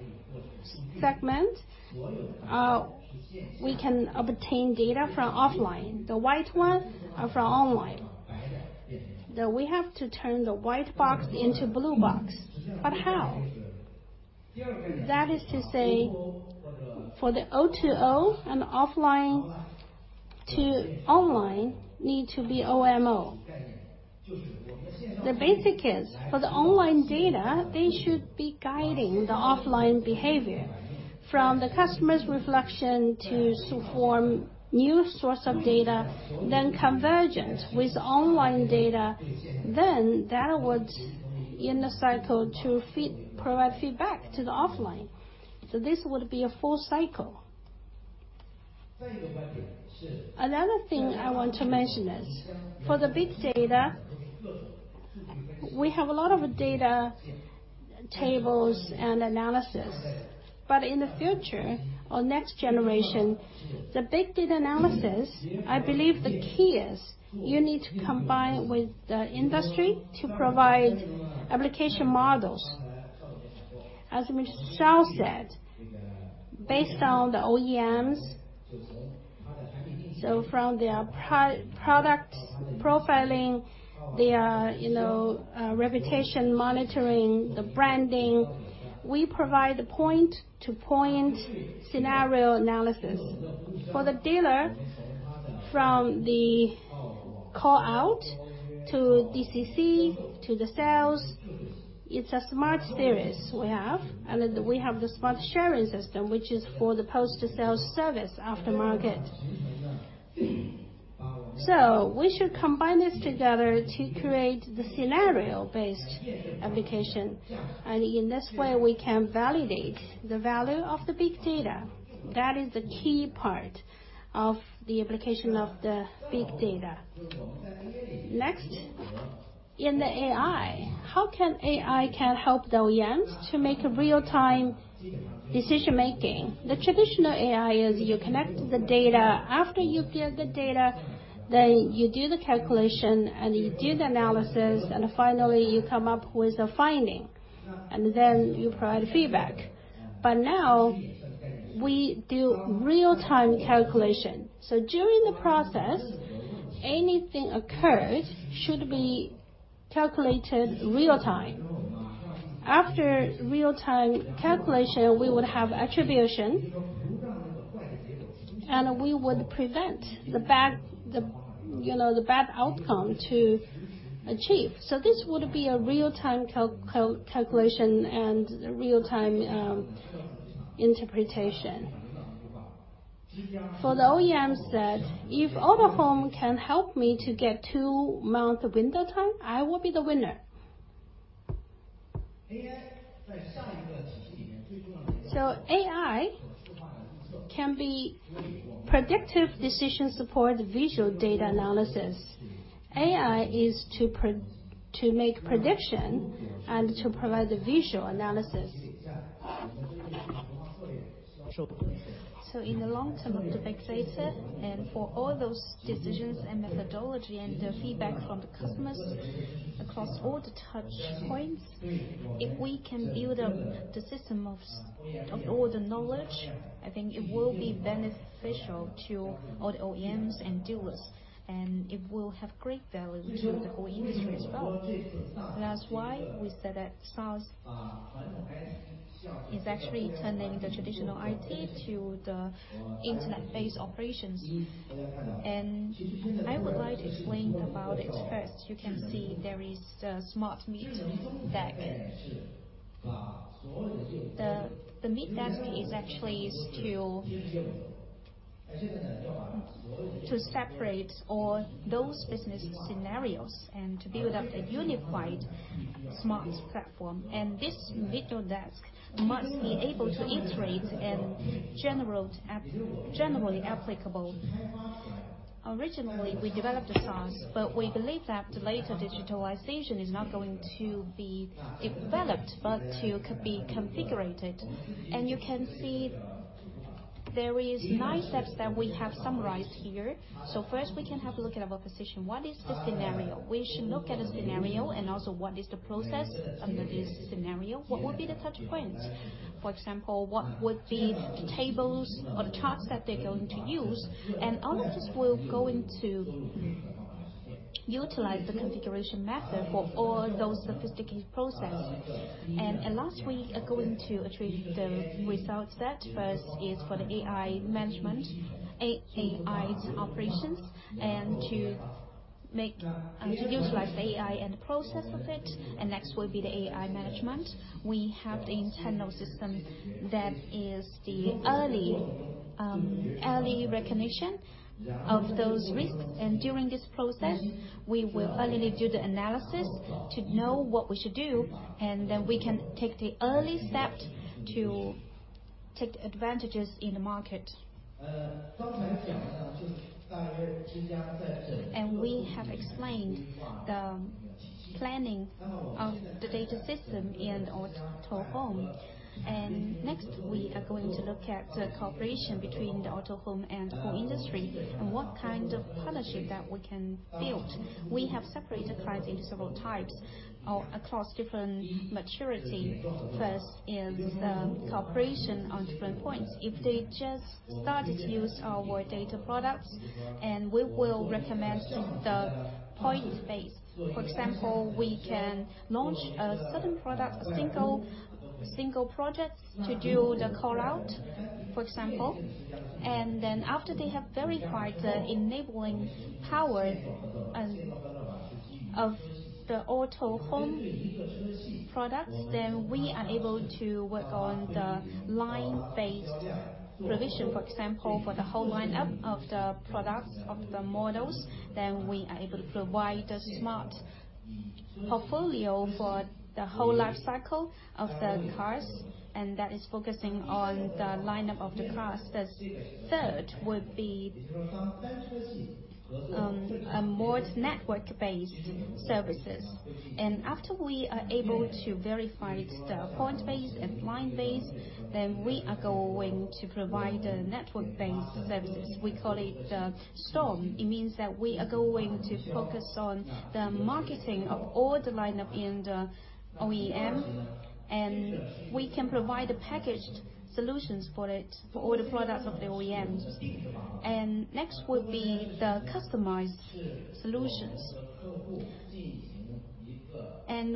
segments, we can obtain data from offline. The white ones are from online. We have to turn the white box into blue box. But how? That is to say, for the O2O and offline to online need to be OMO. The basic is for the online data, they should be guiding the offline behavior from the customer's reflection to form new source of data, then convergent with online data. Then that would, in the cycle, provide feedback to the offline. So this would be a full cycle. Another thing I want to mention is for the big data, we have a lot of data tables and analysis. But in the future or next generation, the big data analysis, I believe the key is you need to combine with the industry to provide application models. As Mr. Shao said, based on the OEMs, so from their product profiling, their reputation monitoring, the branding, we provide point-to-point scenario analysis. For the dealer, from the call-out to DCC to the sales, it's a Smart Series we have. And we have the smart sharing system, which is for the post-sale service aftermarket. So we should combine this together to create the scenario-based application. And in this way, we can validate the value of the big data. That is the key part of the application of the big data. Next, in the AI, how can AI help the OEMs to make real-time decision-making? The traditional AI is you connect the data. After you get the data, then you do the calculation, and you do the analysis, and finally, you come up with a finding. And then you provide feedback. But now, we do real-time calculation. So during the process, anything occurred should be calculated real-time. After real-time calculation, we would have attribution, and we would prevent the bad outcome to achieve. So this would be a real-time calculation and real-time interpretation. For the OEMs that if Autohome can help me to get two-month window time, I will be the winner. So, AI can be predictive decision support, visual data analysis. AI is to make prediction and to provide the visual analysis. So, in the long term of the big data and for all those decisions and methodology and the feedback from the customers across all the touch points, if we can build up the system of all the knowledge, I think it will be beneficial to all the OEMs and dealers. And it will have great value to the whole industry as well. That's why we said that SaaS is actually turning the traditional IT to the internet-based operations. And I would like to explain about it first. You can see there is the Smart Medesk. The Medesk is actually to separate all those business scenarios and to build up a unified smart platform. And this Medesk must be able to iterative and generally applicable. Originally, we developed the SaaS, but we believe that later digitalization is not going to be developed, but to be configured. And you can see there are nine steps that we have summarized here. So first, we can have a look at our position. What is the scenario? We should look at a scenario and also what is the process under this scenario? What would be the touch points? For example, what would be the tables or the charts that they're going to use? And all of this will go into utilize the configuration method for all those sophisticated processes. And lastly, we are going to achieve the results that first is for the AI management, AI's operations, and to utilize the AI and the process of it. And next will be the AI management. We have the internal system that is the early recognition of those risks. And during this process, we will finally do the analysis to know what we should do. And then we can take the early step to take advantages in the market. And we have explained the planning of the data system and Autohome. And next, we are going to look at the cooperation between the Autohome and the whole industry and what kind of partnership that we can build. We have separated clients into several types across different maturity. First is cooperation on different points. If they just started to use our data products, and we will recommend the point-based. For example, we can launch a certain product, a single project to do the call-out, for example. And then after they have verified the enabling power of the Autohome products, then we are able to work on the line-based provision, for example, for the whole lineup of the products of the models. Then we are able to provide a smart portfolio for the whole life cycle of the cars. And that is focusing on the lineup of the cars. The third would be more network-based services. And after we are able to verify the point-based and line-based, then we are going to provide the network-based services. We call it the STORM. It means that we are going to focus on the marketing of all the lineup in the OEM. And we can provide the packaged solutions for it, for all the products of the OEM. And next would be the customized solutions.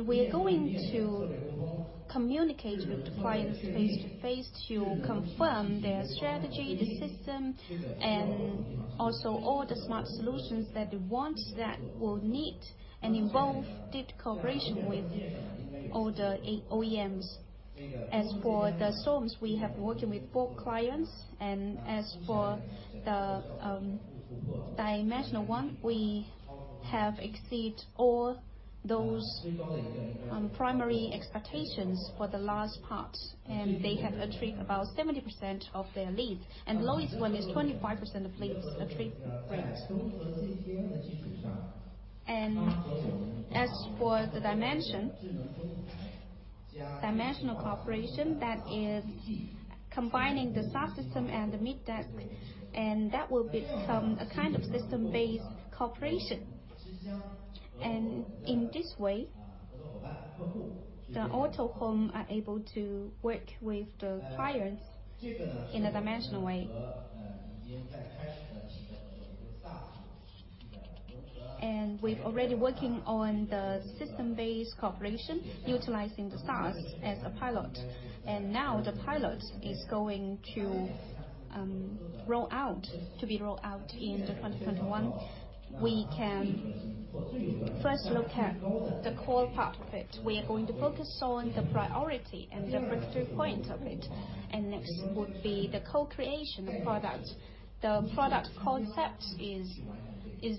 We are going to communicate with the clients face-to-face to confirm their strategy, the system, and also all the smart solutions that they want, that will need and involve deep cooperation with all the OEMs. As for the STORMs, we have been working with both clients. As for the dimensional one, we have exceeded all those primary expectations for the last part. They have achieved about 70% of their leads. The lowest one is 25% of leads achieved. As for the dimensional cooperation, that is combining the SaaS system and the meet desk. That will become a kind of system-based cooperation. In this way, the Autohome are able to work with the clients in a dimensional way. We're already working on the system-based cooperation, utilizing the SaaS as a pilot. Now the pilot is going to roll out, to be rolled out in 2021. We can first look at the core part of it. We are going to focus on the priority and the breakthrough point of it. Next would be the co-creation of products. The product concept is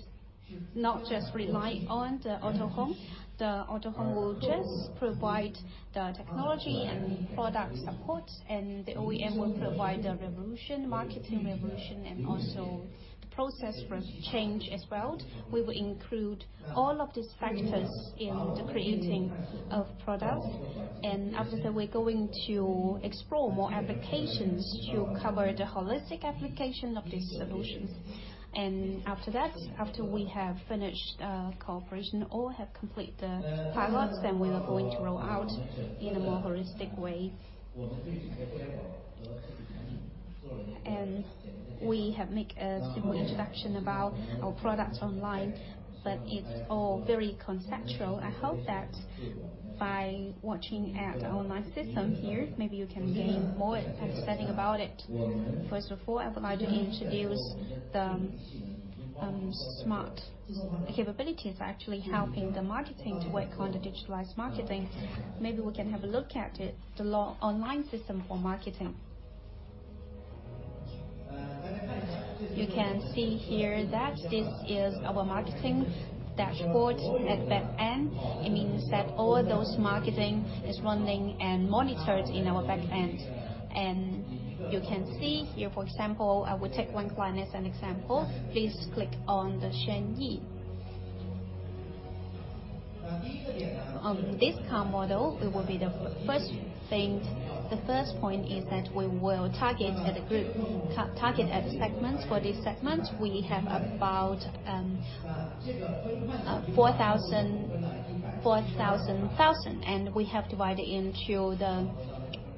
not just reliant on the Autohome. The Autohome will just provide the technology and product support. The OEM will provide the revolution, marketing revolution, and also the process for change as well. We will include all of these factors in the creating of products. After that, we're going to explore more applications to cover the holistic application of these solutions. After that, after we have finished the cooperation or have completed the pilots, then we are going to roll out in a more holistic way. And we have made a simple introduction about our products online, but it's all very conceptual. I hope that by watching at our live system here, maybe you can gain more understanding about it. First of all, I would like to introduce the smart capabilities actually helping the marketing to work on the digitalized marketing. Maybe we can have a look at the online system for marketing. You can see here that this is our marketing dashboard at backend. It means that all those marketing is running and monitored in our backend. And you can see here, for example, I will take one client as an example. Please click on the Xuanyi. This car model, it will be the first thing. The first point is that we will target at the group, target at the segments. For this segment, we have about 4,000,000. And we have divided into the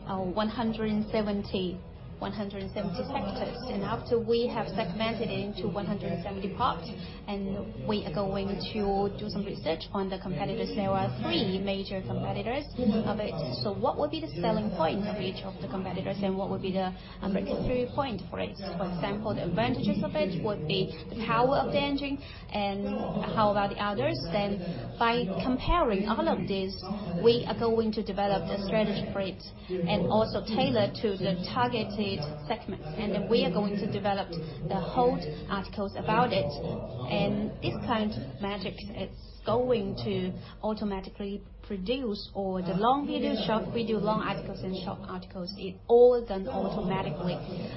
170 sectors. And after we have segmented into 170 parts, and we are going to do some research on the competitors. There are three major competitors of it. So what would be the selling point of each of the competitors? And what would be the breakthrough point for it? For example, the advantages of it would be the power of the engine and how about the others? Then by comparing all of this, we are going to develop a strategy for it and also tailor to the targeted segments. And then we are going to develop the whole articles about it. And this kind of magic, it's going to automatically produce all the long video, short video, long articles, and short articles. It's all done automatically.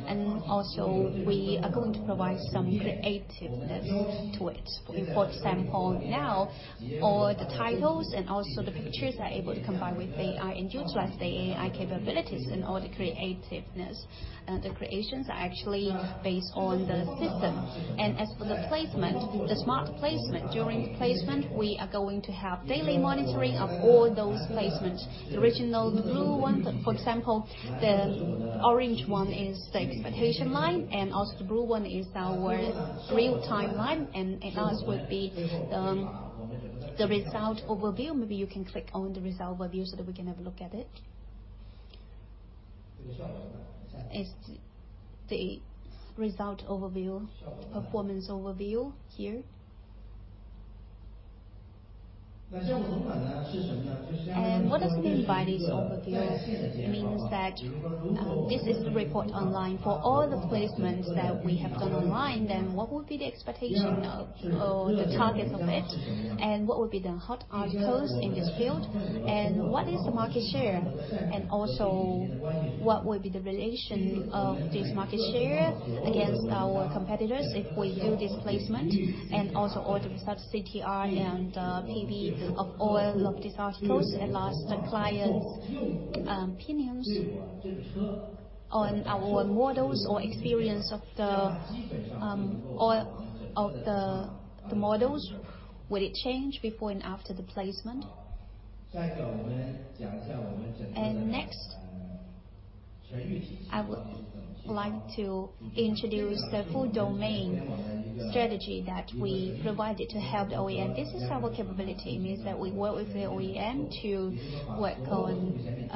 And also, we are going to provide some creativeness to it. For example, now, all the titles and also the pictures are able to combine with AI and utilize the AI capabilities and all the creativeness. And the creations are actually based on the system. And as for the placement, the smart placement, during the placement, we are going to have daily monitoring of all those placements. The original blue one, for example, the orange one is the expectation line. And also the blue one is our real-time line. And it also would be the result overview. Maybe you can click on the result overview so that we can have a look at it. It's the result overview, performance overview here. And what does it mean by this overview? It means that this is the report online for all the placements that we have done online. Then what would be the expectation or the targets of it? What would be the hot articles in this field? What is the market share? Also, what would be the relation of this market share against our competitors if we do this placement? Also all the results, CTR and PV of all of these articles and last client's opinions on our models or experience of the models. Would it change before and after the placement? Next, I would like to introduce the full domain strategy that we provided to help the OEM. This is our capability. It means that we work with the OEM to work on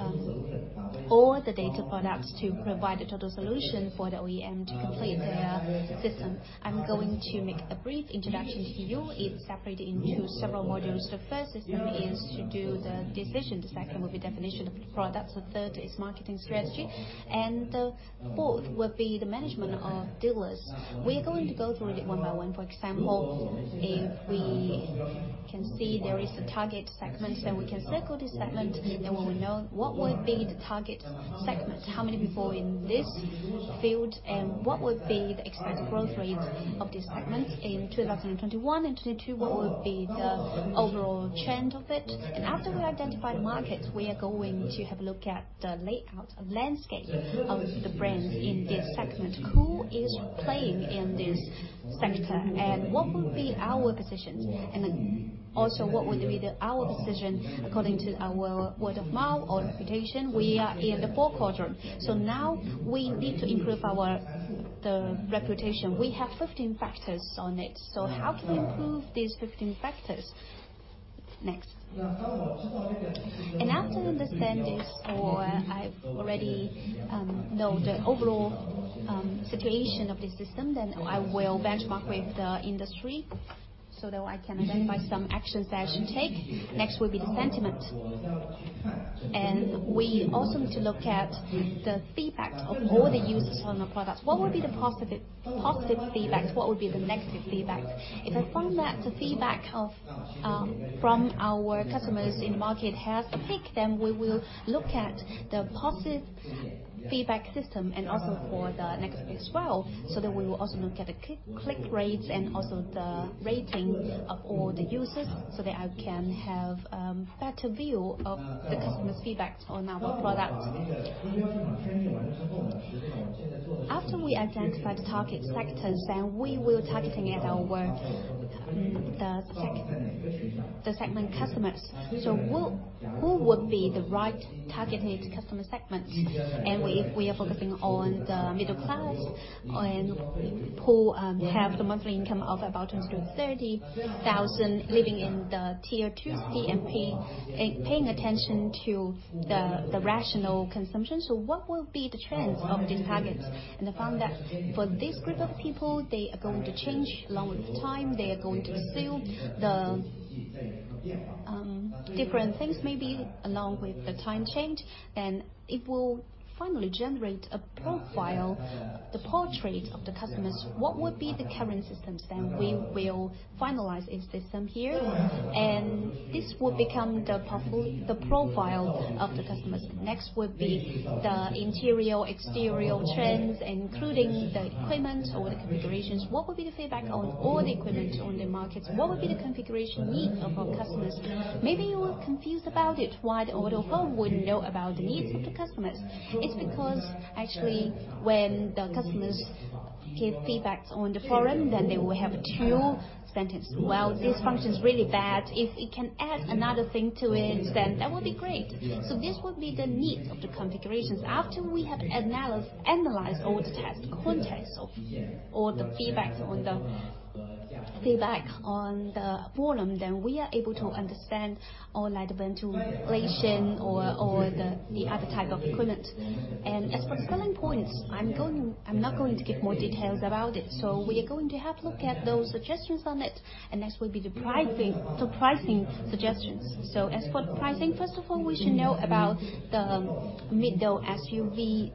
all the data products to provide a total solution for the OEM to complete their system. I'm going to make a brief introduction to you. It's separated into several modules. The first system is to do the decision. The second would be definition of the products. The third is marketing strategy, and the fourth would be the management of dealers. We are going to go through it one by one. For example, if we can see there is a target segment, then we can circle this segment. Then we will know what would be the target segment, how many people in this field, and what would be the expected growth rate of this segment in 2021 and 2022, what would be the overall trend of it. After we identify the markets, we are going to have a look at the layout, landscape of the brands in this segment. Who is playing in this sector, and what would be our position? Also, what would be our position according to our word of mouth or reputation? We are in the fourth quadrant. Now we need to improve our reputation. We have 15 factors on it. So how can we improve these 15 factors? Next. And after I understand this or I already know the overall situation of the system, then I will benchmark with the industry so that I can identify some actions that I should take. Next would be the sentiment. And we also need to look at the feedback of all the users on our products. What would be the positive feedback? What would be the negative feedback? If I find that the feedback from our customers in the market has a peak, then we will look at the positive feedback system and also for the negative as well. So then we will also look at the click rates and also the rating of all the users so that I can have a better view of the customer's feedback on our products. After we identify the target sectors, then we will target at our segment customers. So who would be the right targeted customer segment? And if we are focusing on the middle class and who have the monthly income of about 230,000, living in the tier 2 PFP, paying attention to the rational consumption. So what will be the trends of these targets? And I found that for this group of people, they are going to change along with time. They are going to pursue the different things maybe along with the time change. Then it will finally generate a profile, the portrait of the customers. What would be the current systems? Then we will finalize a system here. And this will become the profile of the customers. Next would be the interior, exterior trends, including the equipment or the configurations. What would be the feedback on all the equipment on the markets? What would be the configuration needs of our customers? Maybe you are confused about it. Why would Autohome know about the needs of the customers? It's because actually when the customers give feedback on the forum, then they will have a true sentiment: "Well, this function is really bad. If we can add another thing to it, then that would be great." So this would be the needs of the configurations. After we have analyzed all the text content of all the feedback on the forum, then we are able to understand all the navigation or the other type of equipment. As for the selling points, I'm not going to give more details about it. So we are going to have a look at those suggestions on it. Next would be the pricing suggestions. So as for the pricing, first of all, we should know about the middle SUV,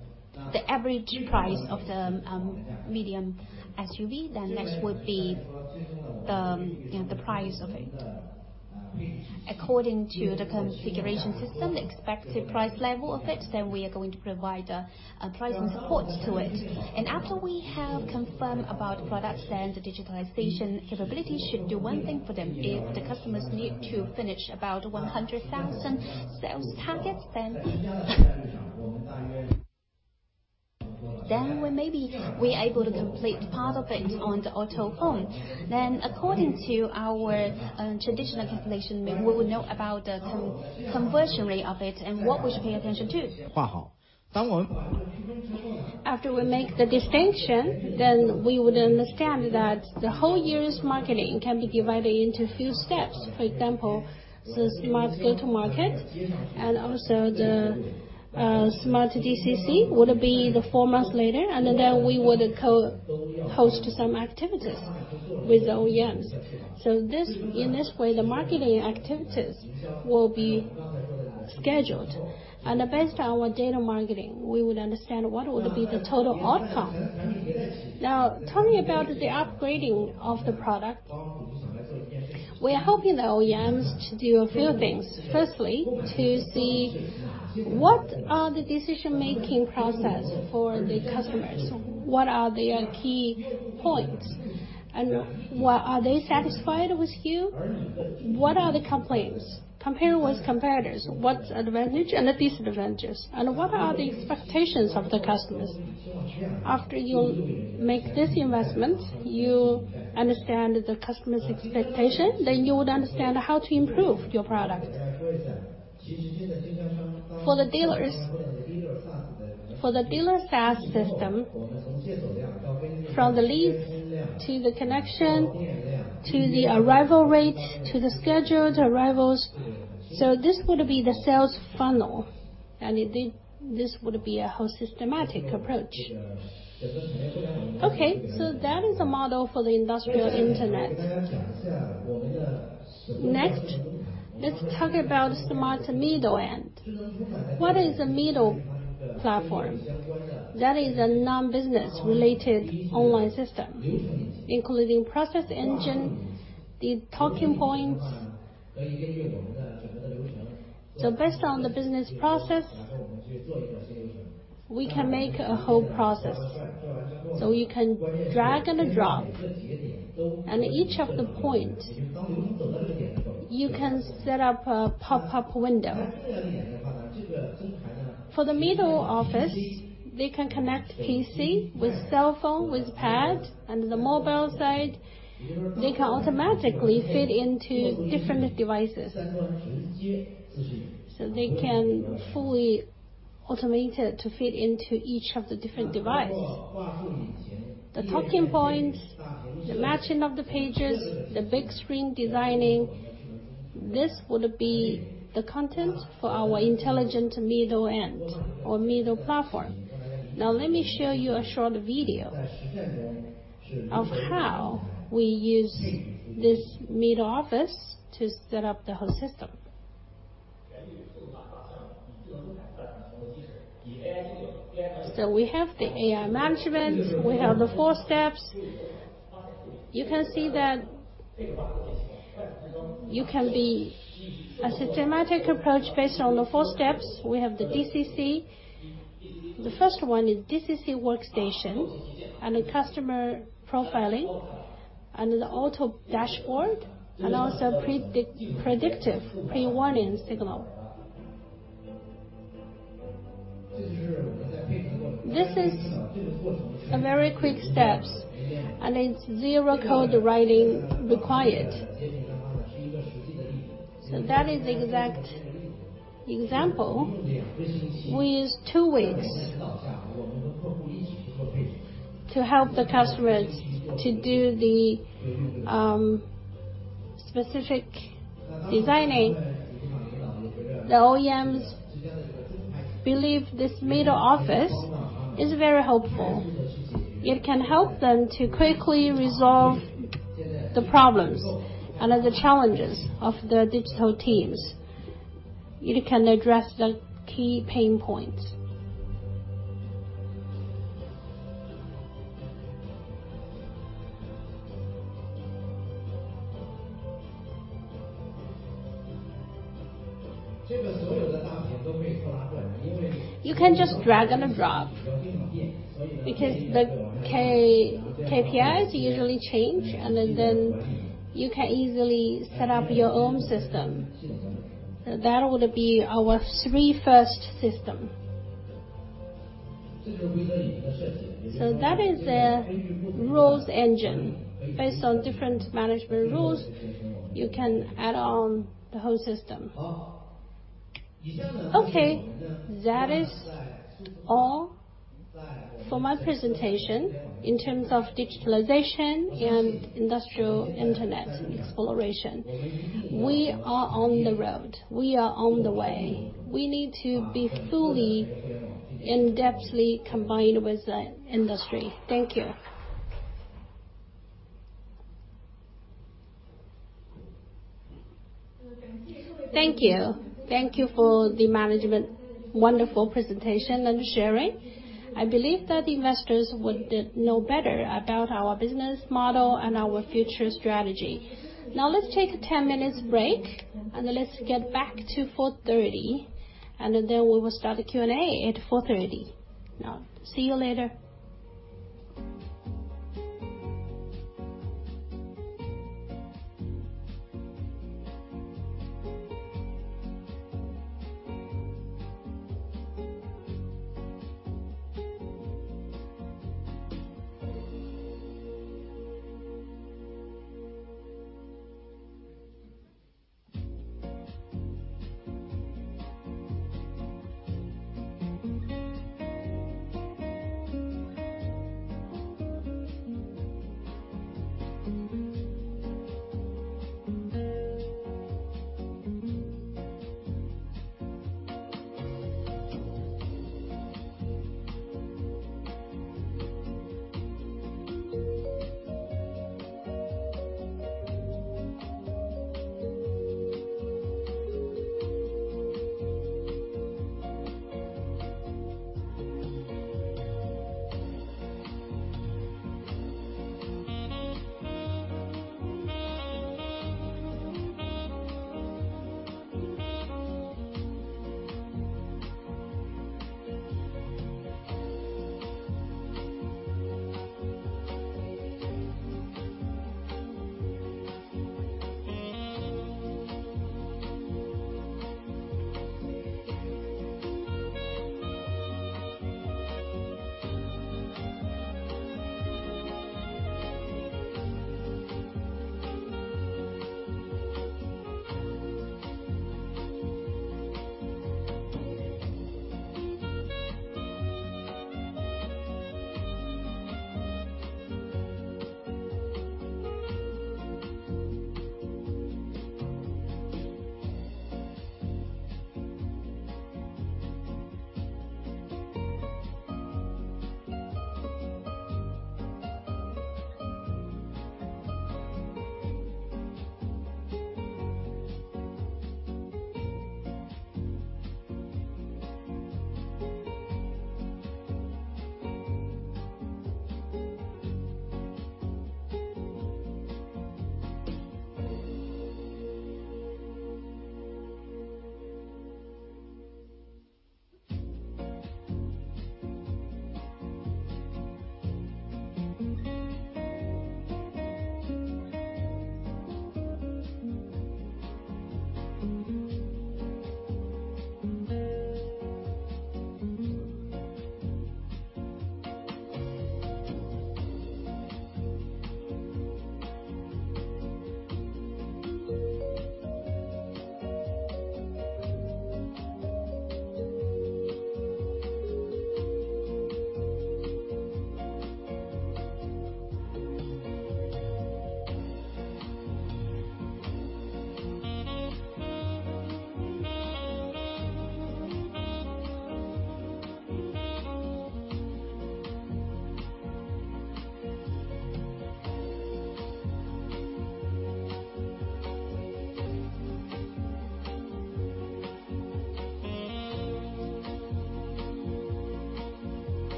the average price of the medium SUV. Then next would be the price of it. According to the configuration system, the expected price level of it, then we are going to provide a pricing support to it. And after we have confirmed about products, then the digitalization capability should do one thing for them. If the customers need to finish about 100,000 sales targets, then we may be able to complete part of it on the Autohome. Then according to our traditional calculation, we will know about the conversion rate of it and what we should pay attention to. After we make the distinction, then we would understand that the whole year's marketing can be divided into a few steps. For example, the smart go-to-market and also the Smart DCC would be four months later, and then we would host some activities with the OEMs, so in this way, the marketing activities will be scheduled, and based on our data marketing, we would understand what would be the total outcome. Now, tell me about the upgrading of the product. We are hoping the OEMs to do a few things. Firstly, to see what are the decision-making processes for the customers. What are their key points? And are they satisfied with you? What are the complaints? Compare with competitors. What's advantage and disadvantages? And what are the expectations of the customers? After you make this investment, you understand the customer's expectation, then you would understand how to improve your product. For the dealers, for the dealer SaaS system, from the leads to the connection to the arrival rate to the scheduled arrivals, so this would be the sales funnel, and this would be a whole systematic approach. Okay, so that is a model for the Industrial Internet. Next, let's talk about smart middle end. What is a middle platform? That is a non-business-related online system, including process engine, the talking points, so based on the business process, we can make a whole process, so you can drag and drop, and each of the points, you can set up a pop-up window. For the middle office, they can connect PC with cell phone, with pad, and the mobile side, they can automatically fit into different devices, so they can fully automate it to fit into each of the different devices. The talking points, the matching of the pages, the big screen designing. This would be the content for our intelligent middle end or middle platform. Now, let me show you a short video of how we use this middle office to set up the whole system, so we have the AI management. We have the four steps. You can see that you can be a systematic approach based on the four steps. We have the DCC. The first one is DCC workstation and the customer profiling and the auto dashboard and also predictive prewarming signal. This is very quick steps, and it's zero code writing required, so that is the exact example we use two weeks to help the customers to do the specific designing. The OEMs believe this middle office is very helpful. It can help them to quickly resolve the problems and the challenges of the digital teams. It can address the key pain points. You can just drag and drop because the KPIs usually change. And then you can easily set up your own system. That would be our three first systems. So that is a rules engine based on different management rules. You can add on the whole system. Okay. That is all for my presentation in terms of digitalization and industrial internet exploration. We are on the road. We are on the way. We need to be fully and in-depthly combined with the industry. Thank you. Thank you. Thank you for the management wonderful presentation and sharing. I believe that investors would know better about our business model and our future strategy. Now, let's take a 10-minute break. And let's get back to 4:30 P.M. And then we will start the Q&A at 4:30 P.M. Now, see you later.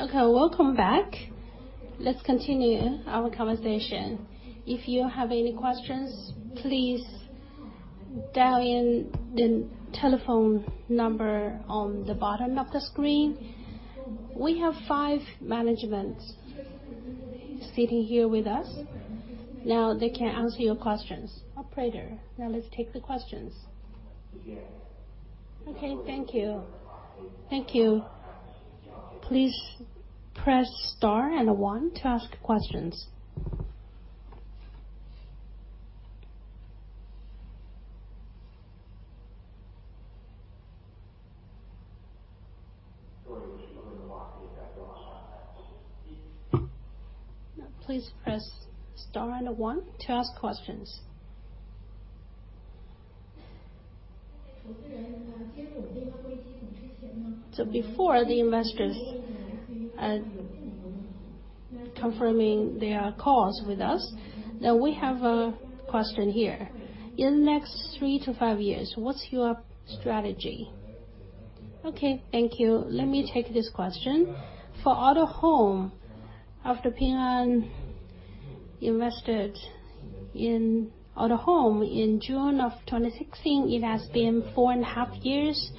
Okay. Welcome back. Let's continue our conversation. If you have any questions, please dial in the telephone number on the bottom of the screen. We have five managements sitting here with us. Now, they can answer your questions. Operator, now let's take the questions. Okay. Thank you. Please press star and one to ask questions. Before the investors confirming their calls with us, then we have a question here. In the next three to five years, what's your strategy? Okay. Thank you. Let me take this question. For Autohome, after Ping An invested in Autohome in June of 2016, it has been four and a half years.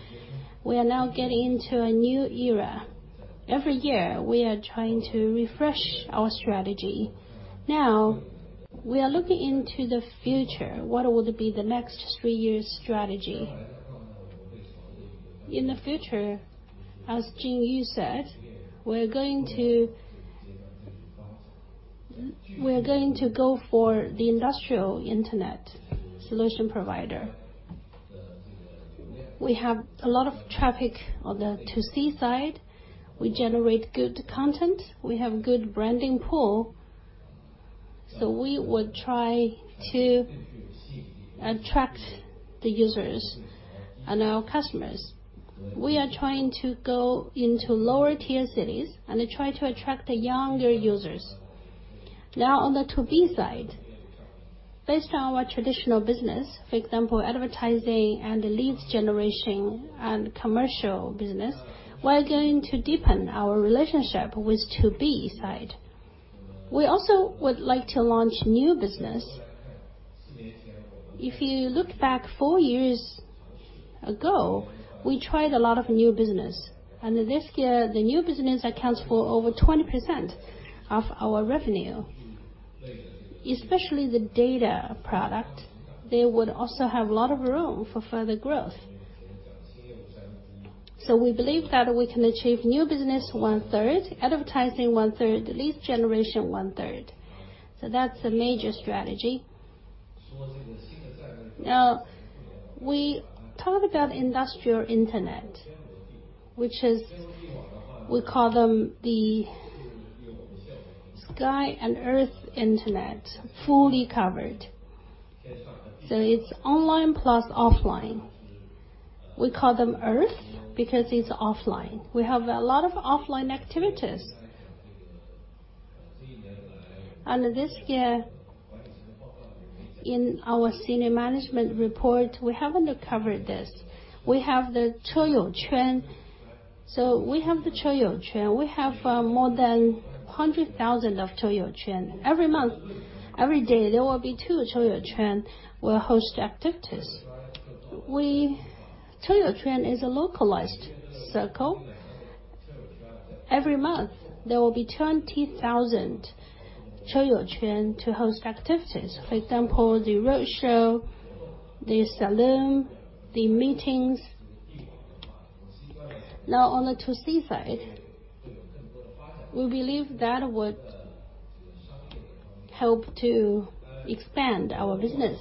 We are now getting into a new era. Every year, we are trying to refresh our strategy. Now, we are looking into the future. What would be the next three years' strategy? In the future, as Jingyu said, we are going to go for the industrial internet solution provider. We have a lot of traffic on the 2C side. We generate good content. We have a good branding pool. So we would try to attract the users and our customers. We are trying to go into lower-tier cities and try to attract the younger users. Now, on the 2B side, based on our traditional business, for example, advertising and leads generation and commercial business, we're going to deepen our relationship with 2B side. We also would like to launch new business. If you look back four years ago, we tried a lot of new business. And this year, the new business accounts for over 20% of our revenue, especially the data product. They would also have a lot of room for further growth. So we believe that we can achieve new business one-third, advertising one-third, leads generation one-third. So that's a major strategy. Now, we talked about industrial internet, which is we call them the sky and earth internet, fully covered. So it's online plus offline. We call them earth because it's offline. We have a lot of offline activities. And this year, in our senior management report, we haven't covered this. We have the Cheyouquan. So we have the Cheyouquan. We have more than 100,000 of Cheyouquan. Every month, every day, there will be two Cheyouquan will host activities. Cheyouquan is a localized circle. Every month, there will be 20,000 Cheyouquan to host activities, for example, the roadshow, the salon, the meetings. Now, on the 2C side, we believe that would help to expand our business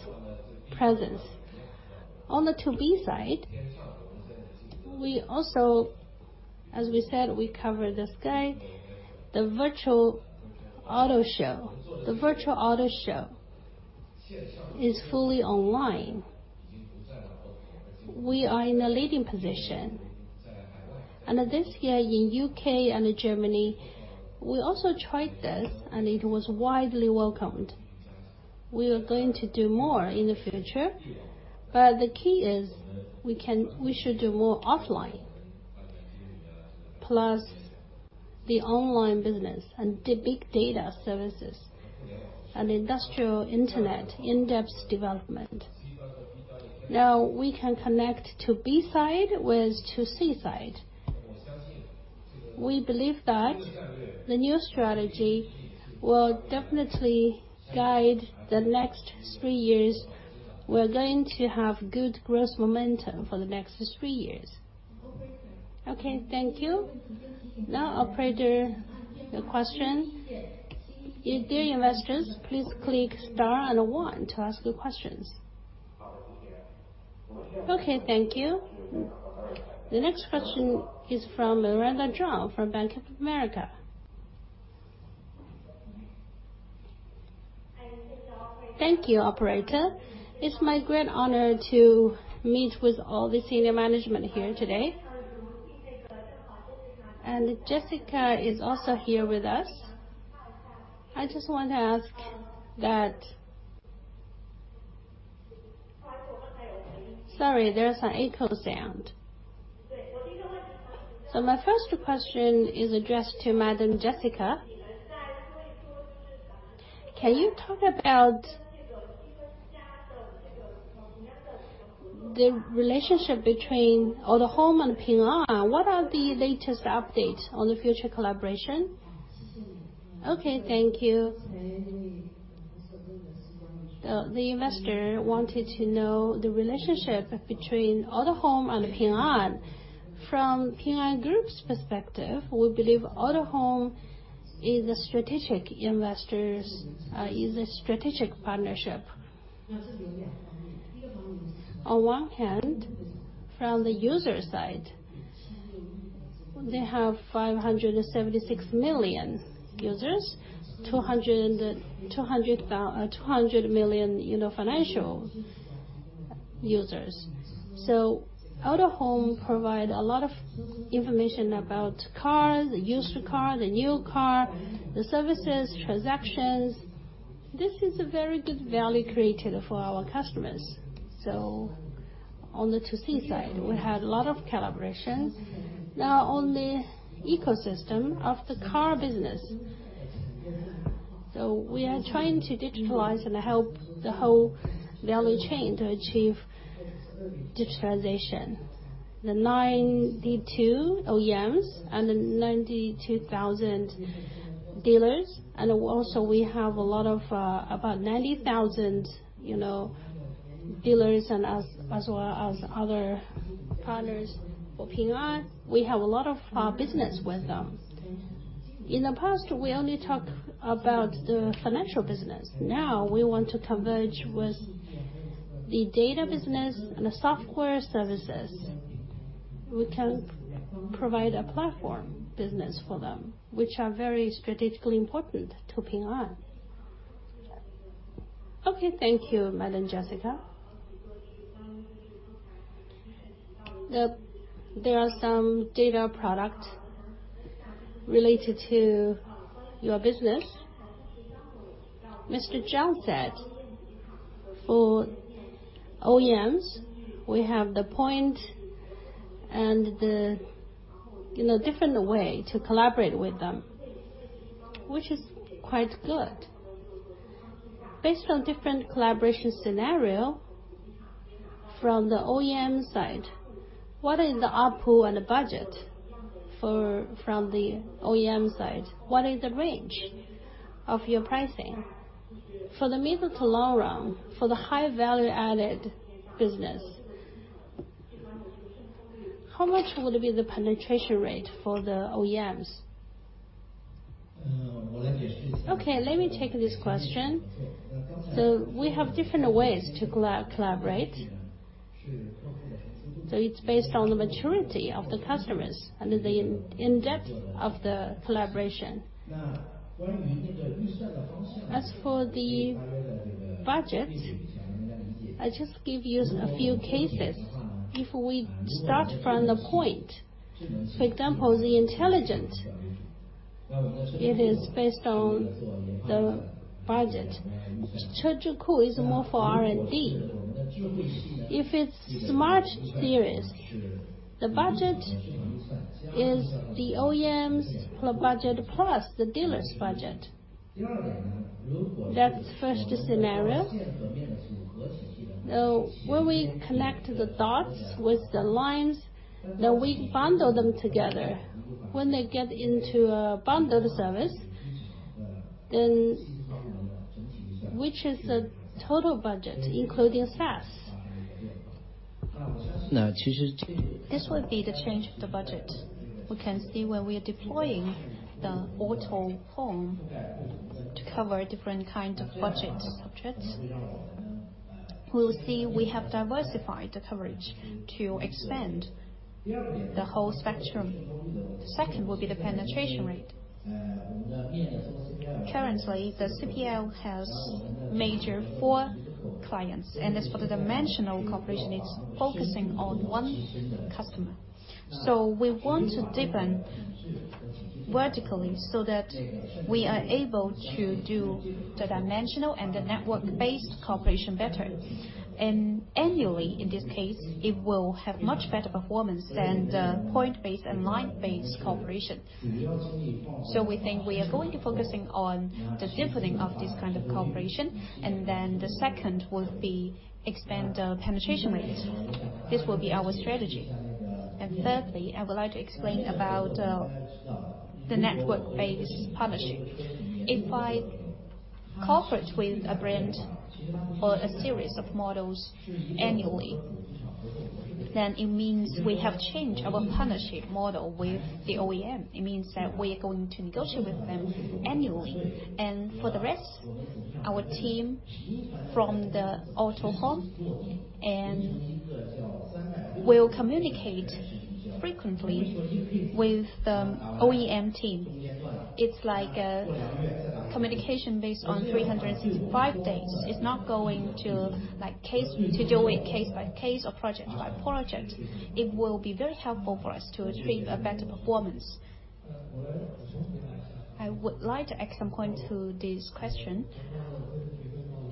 presence. On the 2B side, we also, as we said, we cover the sky, the Virtual Auto Show. The Virtual Auto Show is fully online. We are in the leading position. And this year, in the U.K. and Germany, we also tried this, and it was widely welcomed. We are going to do more in the future. But the key is we should do more offline plus the online business and the big data services and Industrial Internet in-depth development. Now, we can connect 2B side with 2C side. We believe that the new strategy will definitely guide the next three years. We're going to have good growth momentum for the next three years. Okay. Thank you. Now, operator, your question. If there are investors, please click star and one to ask your questions. Okay. Thank you. The next question is from Miranda Zhang from Bank of America. Thank you, operator. It's my great honor to meet with all the senior management here today, and Jessica is also here with us. I just want to ask. Sorry, there's an echo sound, so my first question is addressed to Madam Jessica. Can you talk about the relationship between Autohome and Ping An? What are the latest updates on the future collaboration? Okay. Thank you. The investor wanted to know the relationship between Autohome and Ping An. From Ping An Group's perspective, we believe Autohome is a strategic investor's strategic partnership. On one hand, from the user side, they have 576 million users, 200 million financial users, so Autohome provides a lot of information about cars, used cars, and new cars, the services, transactions. This is a very good value created for our customers, so on the 2C side, we had a lot of collaborations. Now, on the ecosystem of the car business, so we are trying to digitalize and help the whole value chain to achieve digitalization. The 92 OEMs and the 92,000 dealers. And also, we have a lot of about 90,000 dealers as well as other partners for Ping An. We have a lot of business with them. In the past, we only talked about the financial business. Now, we want to converge with the data business and the software services. We can provide a platform business for them, which are very strategically important to Ping An. Okay. Thank you, Madam Jessica. There are some data products related to your business. Mr. Zhang said for OEMs, we have the point and the different way to collaborate with them, which is quite good. Based on different collaboration scenarios from the OEM side, what is the output and the budget from the OEM side? What is the range of your pricing? For the medium- to long-run, for the high value-added business, how much would be the penetration rate for the OEMs? Okay. Let me take this question. So we have different ways to collaborate. So it's based on the maturity of the customers and the depth of the collaboration. As for the budget, I just give you a few cases. If we start from the point, for example, the intelligent, it is based on the budget. Cheyouquan is more for R&D. If it's Smart Series, the budget is the OEM's budget plus the dealer's budget. That's the first scenario. When we connect the dots with the lines, then we bundle them together. When they get into a bundled service, then which is the total budget, including SaaS? This would be the change of the budget. We can see when we are deploying the Autohome to cover different kinds of budget subjects. We will see we have diversified the coverage to expand the whole spectrum. The second would be the penetration rate. Currently, the CPL has four major clients. And as for the dimensional cooperation, it's focusing on one customer. So we want to deepen vertically so that we are able to do the dimensional and the network-based cooperation better. And annually, in this case, it will have much better performance than the point-based and line-based cooperation. So we think we are going to focus on the deepening of this kind of cooperation. And then the second would be expand the penetration rate. This will be our strategy. And thirdly, I would like to explain about the network-based partnership. If I cooperate with a brand or a series of models annually, then it means we have changed our partnership model with the OEM. It means that we are going to negotiate with them annually. And for the rest, our team from Autohome will communicate frequently with the OEM team. It's like communication based on 365 days. It's not going to do it case by case or project by project. It will be very helpful for us to achieve a better performance. I would like to add some point to this question.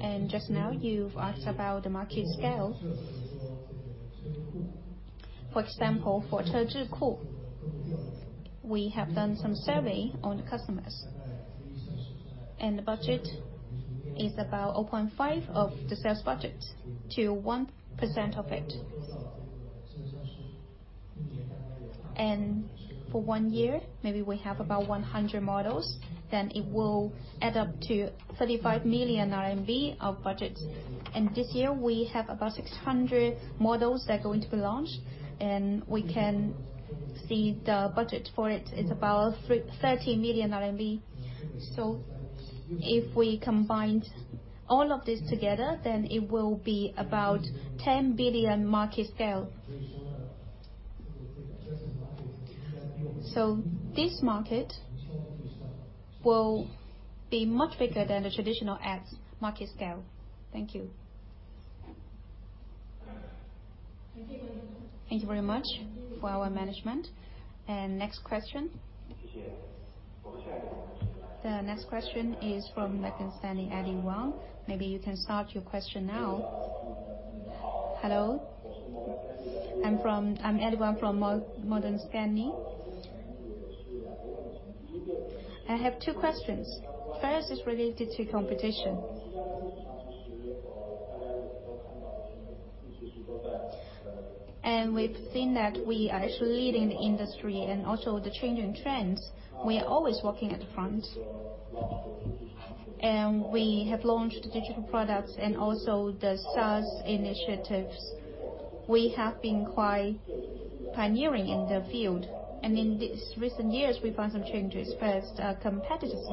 And just now, you've asked about the market scale. For example, for Cheyouquan, we have done some survey on the customers. And the budget is about 0.5% to 1% of it. And for one year, maybe we have about 100 models, then it will add up to 35 million RMB of budget. This year, we have about 600 models that are going to be launched. We can see the budget for it is about 30 million RMB R&D. If we combine all of this together, then it will be about 10 billion market scale. This market will be much bigger than the traditional ads market scale. Thank you. Thank you very much for our management. Next question. The next question is from Morgan Stanley, Eddie Wang. Maybe you can start your question now. Hello? I'm Eddie Wang from Morgan Stanley. I have two questions. First is related to competition. We've seen that we are actually leading the industry and also the changing trends. We are always walking at the front. We have launched digital products and also the SaaS initiatives. We have been quite pioneering in the field. In these recent years, we found some changes. First, our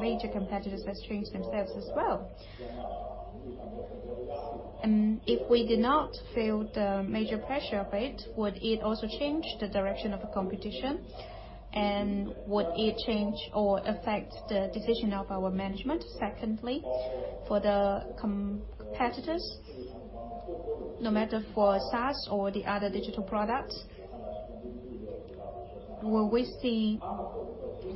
major competitors have changed themselves as well, and if we did not feel the major pressure of it, would it also change the direction of competition? And would it change or affect the decision of our management? Secondly, for the competitors, no matter for SaaS or the other digital products, will we see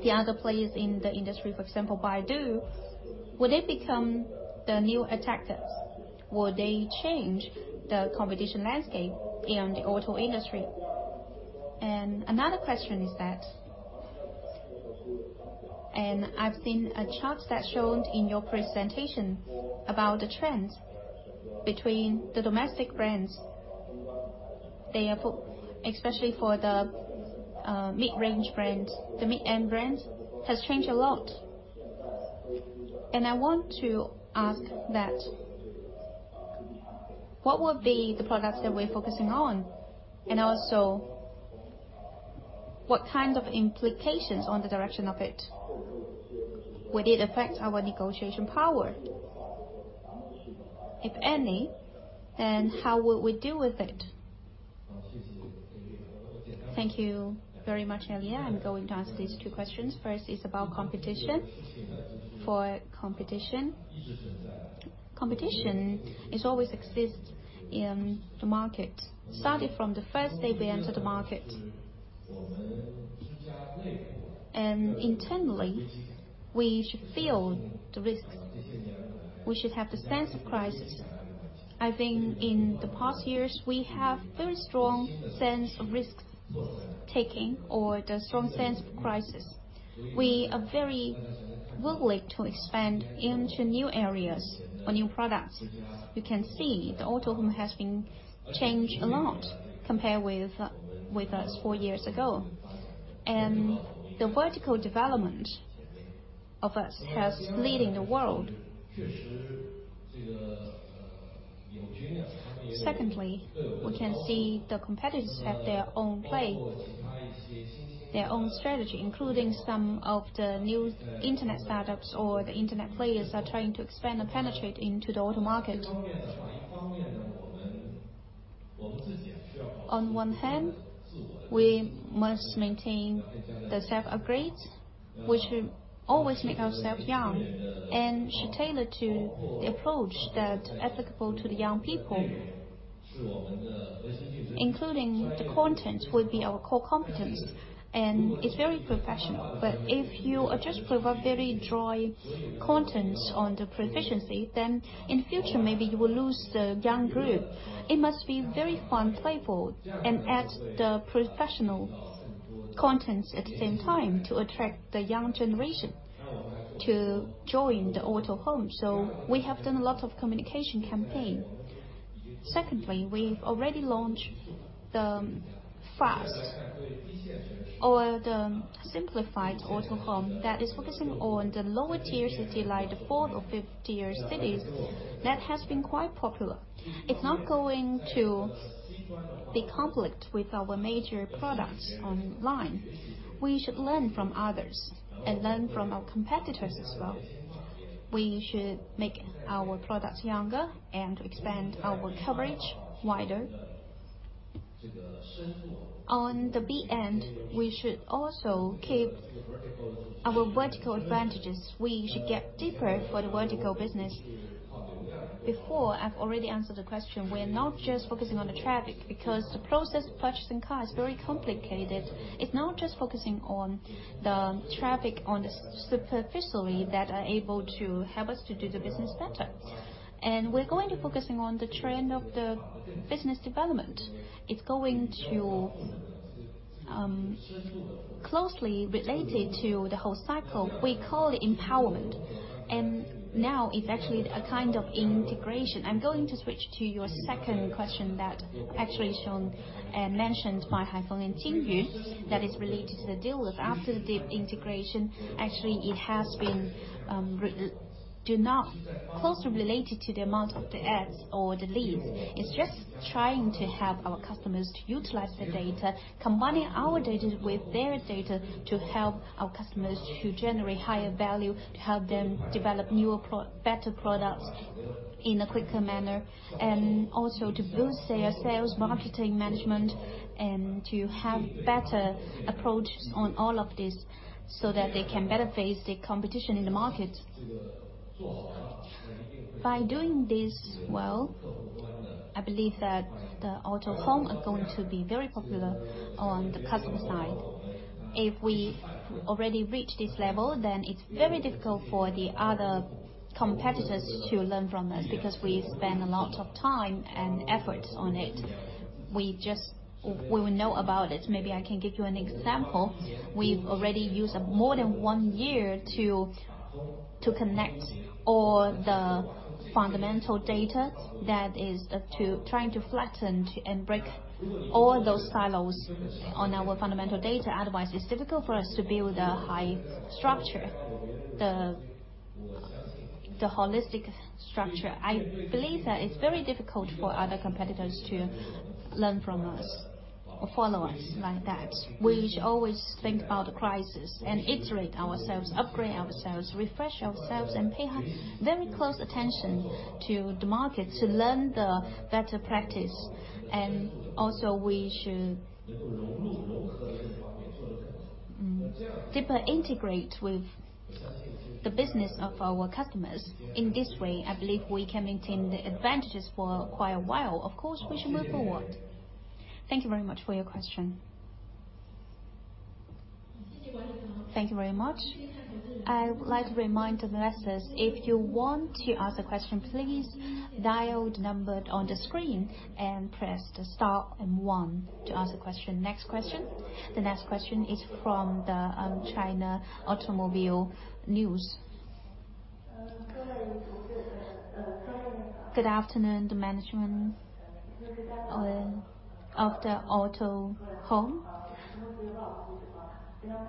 the other players in the industry, for example, Baidu. Would they become the new attackers? Will they change the competition landscape in the auto industry? And another question is that, and I've seen a chart that showed in your presentation about the trends between the domestic brands, especially for the mid-range brands, the mid-end brands has changed a lot. And I want to ask that what would be the products that we're focusing on? And also, what kind of implications on the direction of it? Would it affect our negotiation power? If any, then how would we deal with it? Thank you very much, Elia. I'm going to answer these two questions. First is about competition. Competition always exists in the market, starting from the first day we enter the market, and internally, we should feel the risks. We should have the sense of crisis. I think in the past years, we have a very strong sense of risk-taking or the strong sense of crisis. We are very willing to expand into new areas or new products. You can see the Autohome has been changed a lot compared with us four years ago, and the vertical development of us has led the world. Secondly, we can see the competitors have their own play, their own strategy, including some of the new internet startups or the internet players are trying to expand and penetrate into the auto market. On one hand, we must maintain the self-upgrades, which will always make ourselves young and should tailor to the approach that is applicable to the young people, including the content would be our core competence, and it's very professional. But if you just provide very dry content on the proficiency, then in the future, maybe you will lose the young group. It must be very fun, playful, and add the professional content at the same time to attract the young generation to join the Autohome, so we have done a lot of communication campaigns. Secondly, we've already launched the fast or the simplified Autohome that is focusing on the lower-tier cities, like the fourth or fifth-tier cities. That has been quite popular. It's not going to be conflict with our major products online. We should learn from others and learn from our competitors as well. We should make our products younger and expand our coverage wider. On the B end, we should also keep our vertical advantages. We should get deeper for the vertical business. Before, I've already answered the question. We're not just focusing on the traffic because the process of purchasing cars is very complicated. It's not just focusing on the traffic on the superficial that are able to help us to do the business better, and we're going to focus on the trend of the business development. It's going to be closely related to the whole cycle. We call it empowerment, and now, it's actually a kind of integration. I'm going to switch to your second question that actually mentioned by Haifeng and Jingyu that is related to the dealers. After the deep integration, actually, it has been closely related to the amount of the ads or the leads. It's just trying to help our customers to utilize the data, combining our data with their data to help our customers to generate higher value, to help them develop better products in a quicker manner, and also to boost their sales, marketing, management, and to have better approaches on all of this so that they can better face the competition in the market. By doing this well, I believe that Autohome is going to be very popular on the customer side. If we already reach this level, then it's very difficult for the other competitors to learn from us because we spend a lot of time and effort on it. We will know about it. Maybe I can give you an example. We've already used more than one year to connect all the fundamental data that is trying to flatten and break all those silos on our fundamental data. Otherwise, it's difficult for us to build a high structure, the holistic structure. I believe that it's very difficult for other competitors to learn from us or follow us like that. We should always think about the crisis and iterate ourselves, upgrade ourselves, refresh ourselves, and pay very close attention to the market to learn the better practice. And also, we should deeper integrate with the business of our customers. In this way, I believe we can maintain the advantages for quite a while. Of course, we should move forward. Thank you very much for your question. Thank you very much. I would like to remind the lessons. If you want to ask a question, please dial the number on the screen and press the star and one to ask a question. Next question. The next question is from the China Automobile News. Good afternoon, the management of Autohome.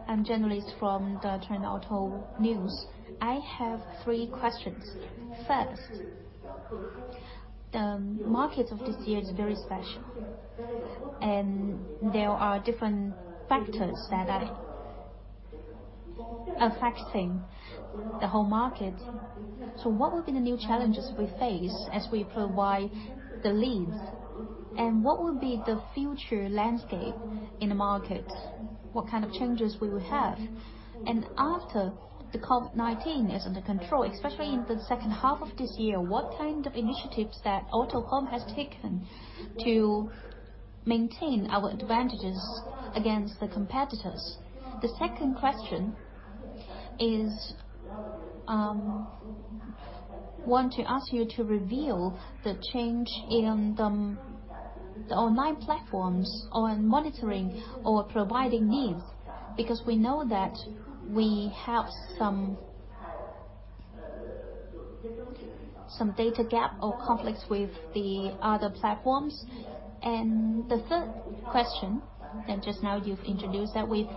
I'm calling from the China Automobile News. I have three questions. First, the market of this year is very special, and there are different factors that are affecting the whole market. So what will be the new challenges we face as we provide the leads? And what will be the future landscape in the market? What kind of changes will we have? And after the COVID-19 is under control, especially in the second half of this year, what kind of initiatives that Autohome has taken to maintain our advantages against the competitors? The second question is, I want to ask you to reveal the change in the online platforms on monitoring or providing needs because we know that we have some data gap or conflicts with the other platforms, and the third question: just now you've introduced that we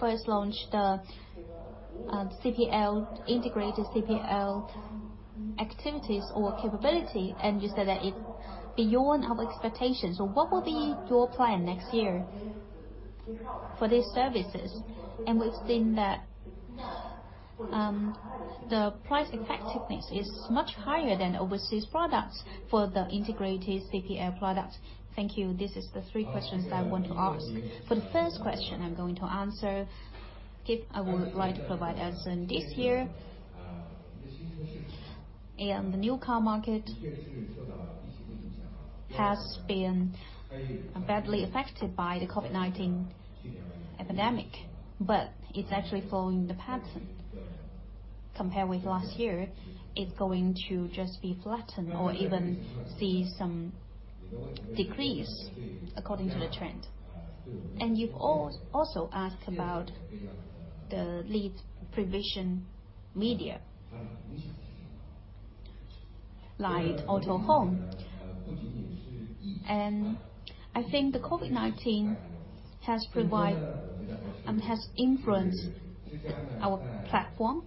first launched the integrated CPL activities or capability, and you said that it's beyond our expectations, so what will be your plan next year for these services, and we've seen that the price effectiveness is much higher than overseas products for the integrated CPL products. Thank you. These are the three questions that I want to ask. For the first question, I'm going to answer. I would like to provide answer in this year. The new car market has been badly affected by the COVID-19 epidemic, but it's actually following the pattern. Compared with last year, it's going to just be flattened or even see some decrease according to the trend, and you've also asked about the lead provision media like Autohome. And I think the COVID-19 has influenced our platform,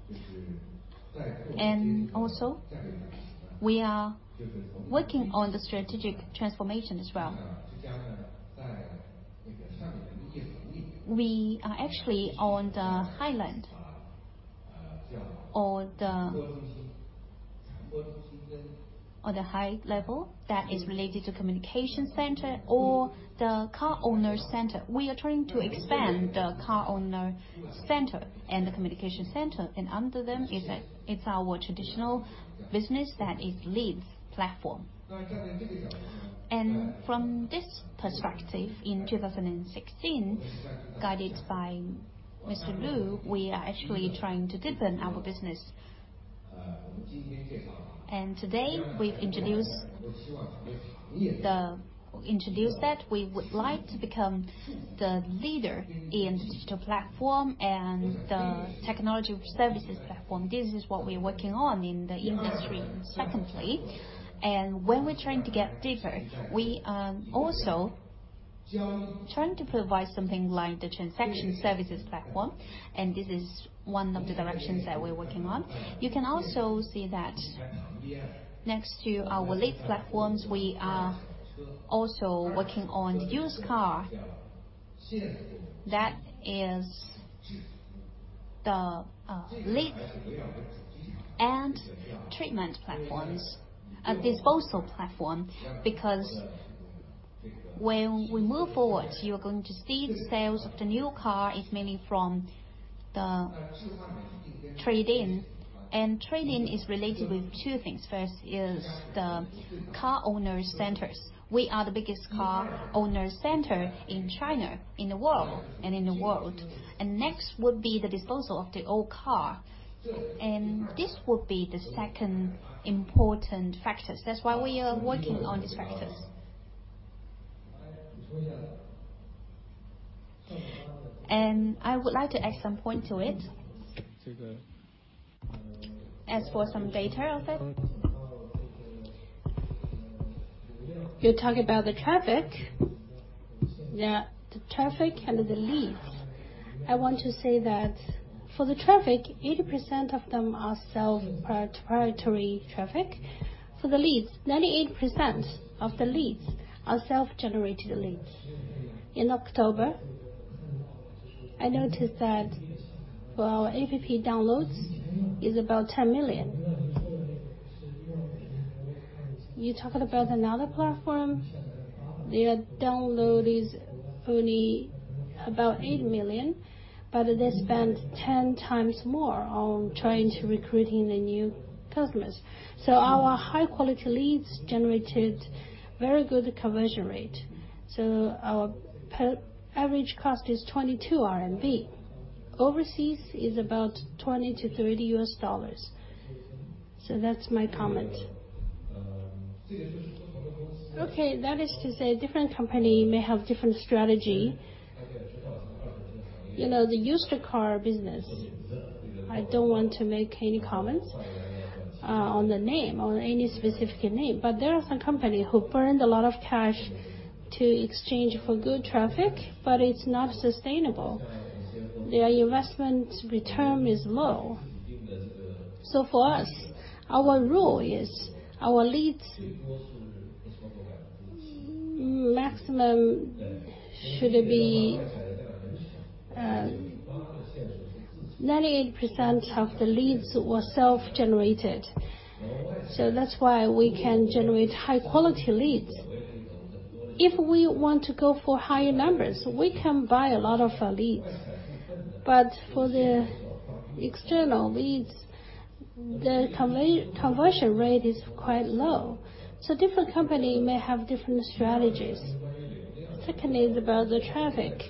and also, we are working on the strategic transformation as well. We are actually on the high level or the high level that is related to communication center or the car owner center. We are trying to expand the car owner center and the communication center, and under them, it's our traditional business that is leads platform. And from this perspective, in 2016, guided by Mr. Liu, we are actually trying to deepen our business, and today, we've introduced that we would like to become the leader in the digital platform and the technology services platform. This is what we're working on in the industry. Secondly, when we're trying to get deeper, we are also trying to provide something like the transaction services platform. This is one of the directions that we're working on. You can also see that next to our lead platforms, we are also working on the used car. That is the lead and transaction platforms, a disposal platform. Because when we move forward, you're going to see the sales of the new car is mainly from the trade-in. Trade-in is related with two things. First is the car owner centers. We are the biggest car owner center in China, in the world. Next would be the disposal of the old car. This would be the second important factor. That's why we are working on these factors. I would like to add some point to it as for some data of it. You talk about the traffic, the traffic, and the leads. I want to say that for the traffic, 80% of them are self-priority traffic. For the leads, 98% of the leads are self-generated leads. In October, I noticed that for our APP downloads is about 10 million. You talked about another platform. Their download is only about 8 million, but they spend 10 times more on trying to recruit the new customers. So our high-quality leads generated very good conversion rate. So our average cost is 22 RMB. Overseas is about $20-$30. So that's my comment. Okay. That is to say a different company may have a different strategy. The used car business, I don't want to make any comments on the name or any specific name. But there are some companies who burned a lot of cash to exchange for good traffic, but it's not sustainable. Their investment return is low. So for us, our rule is our leads maximum should be 98% of the leads were self-generated. So that's why we can generate high-quality leads. If we want to go for higher numbers, we can buy a lot of leads. But for the external leads, the conversion rate is quite low. So different companies may have different strategies. Second is about the traffic.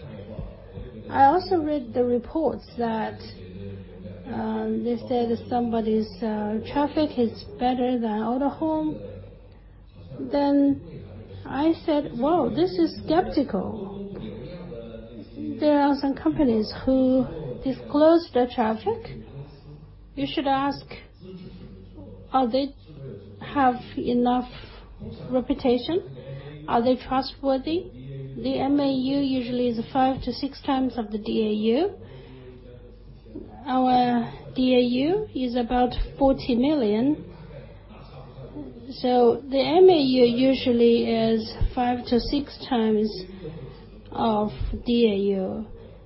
I also read the reports that they said somebody's traffic is better than Autohome. Then I said, "Whoa, this is skeptical." There are some companies who disclose their traffic. You should ask, "Are they have enough reputation? Are they trustworthy?" The MAU usually is five to six times of the DAU. Our DAU is about 40 million. So the MAU usually is five to six times of DAU.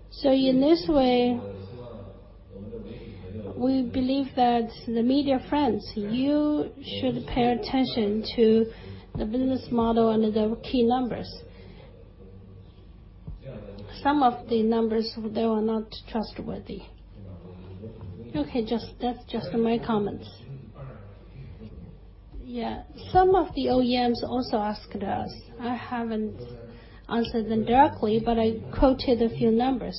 So in this way, we believe that the media friends, you should pay attention to the business model and the key numbers. Some of the numbers, they are not trustworthy. Okay. That's just my comments. Yeah. Some of the OEMs also asked us. I haven't answered them directly, but I quoted a few numbers.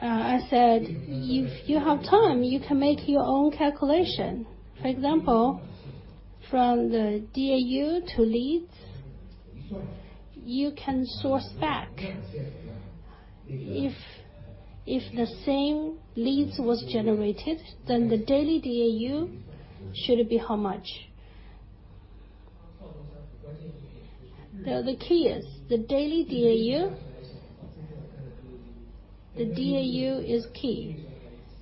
I said, "If you have time, you can make your own calculation." For example, from the DAU to leads, you can source back. If the same leads were generated, then the daily DAU should be how much? The key is the daily DAU. The DAU is key.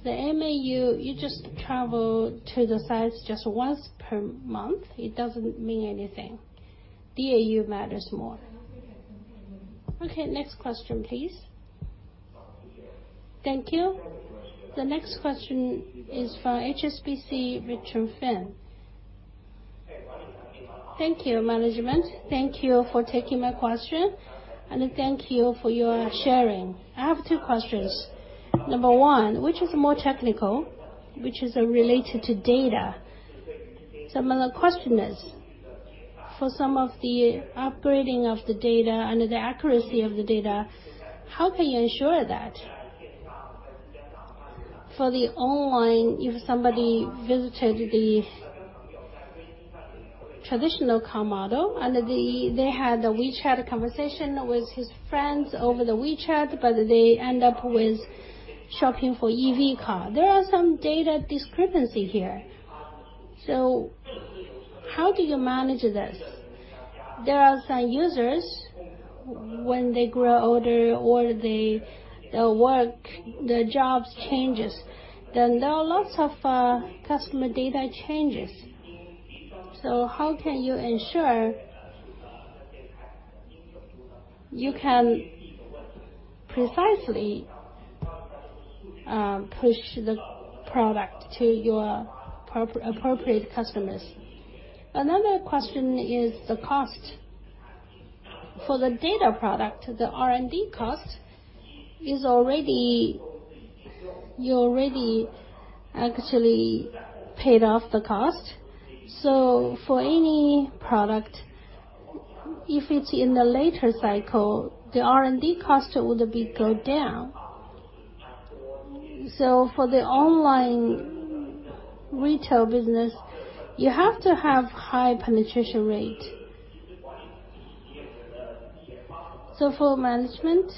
The MAU, you just travel to the sites just once per month. It doesn't mean anything. DAU matters more. Okay. Next question, please. Thank you. The next question is for HSBC, Ritchie Sun. Thank you, management. Thank you for taking my question and thank you for your sharing. I have two questions. Number one, which is more technical, which is related to data? Some of the question is for some of the upgrading of the data and the accuracy of the data, how can you ensure that? For the online, if somebody visited the traditional car model and they had a WeChat conversation with his friends over the WeChat, but they end up with shopping for EV car, there are some data discrepancy here, so how do you manage this? There are some users when they grow older or their jobs change, then there are lots of customer data changes, so how can you ensure you can precisely push the product to your appropriate customers? Another question is the cost. For the data product, the R&D cost is already you already actually paid off the cost. So for any product, if it's in the later cycle, the R&D cost would go down. So for the online retail business, you have to have high penetration rate. So for management,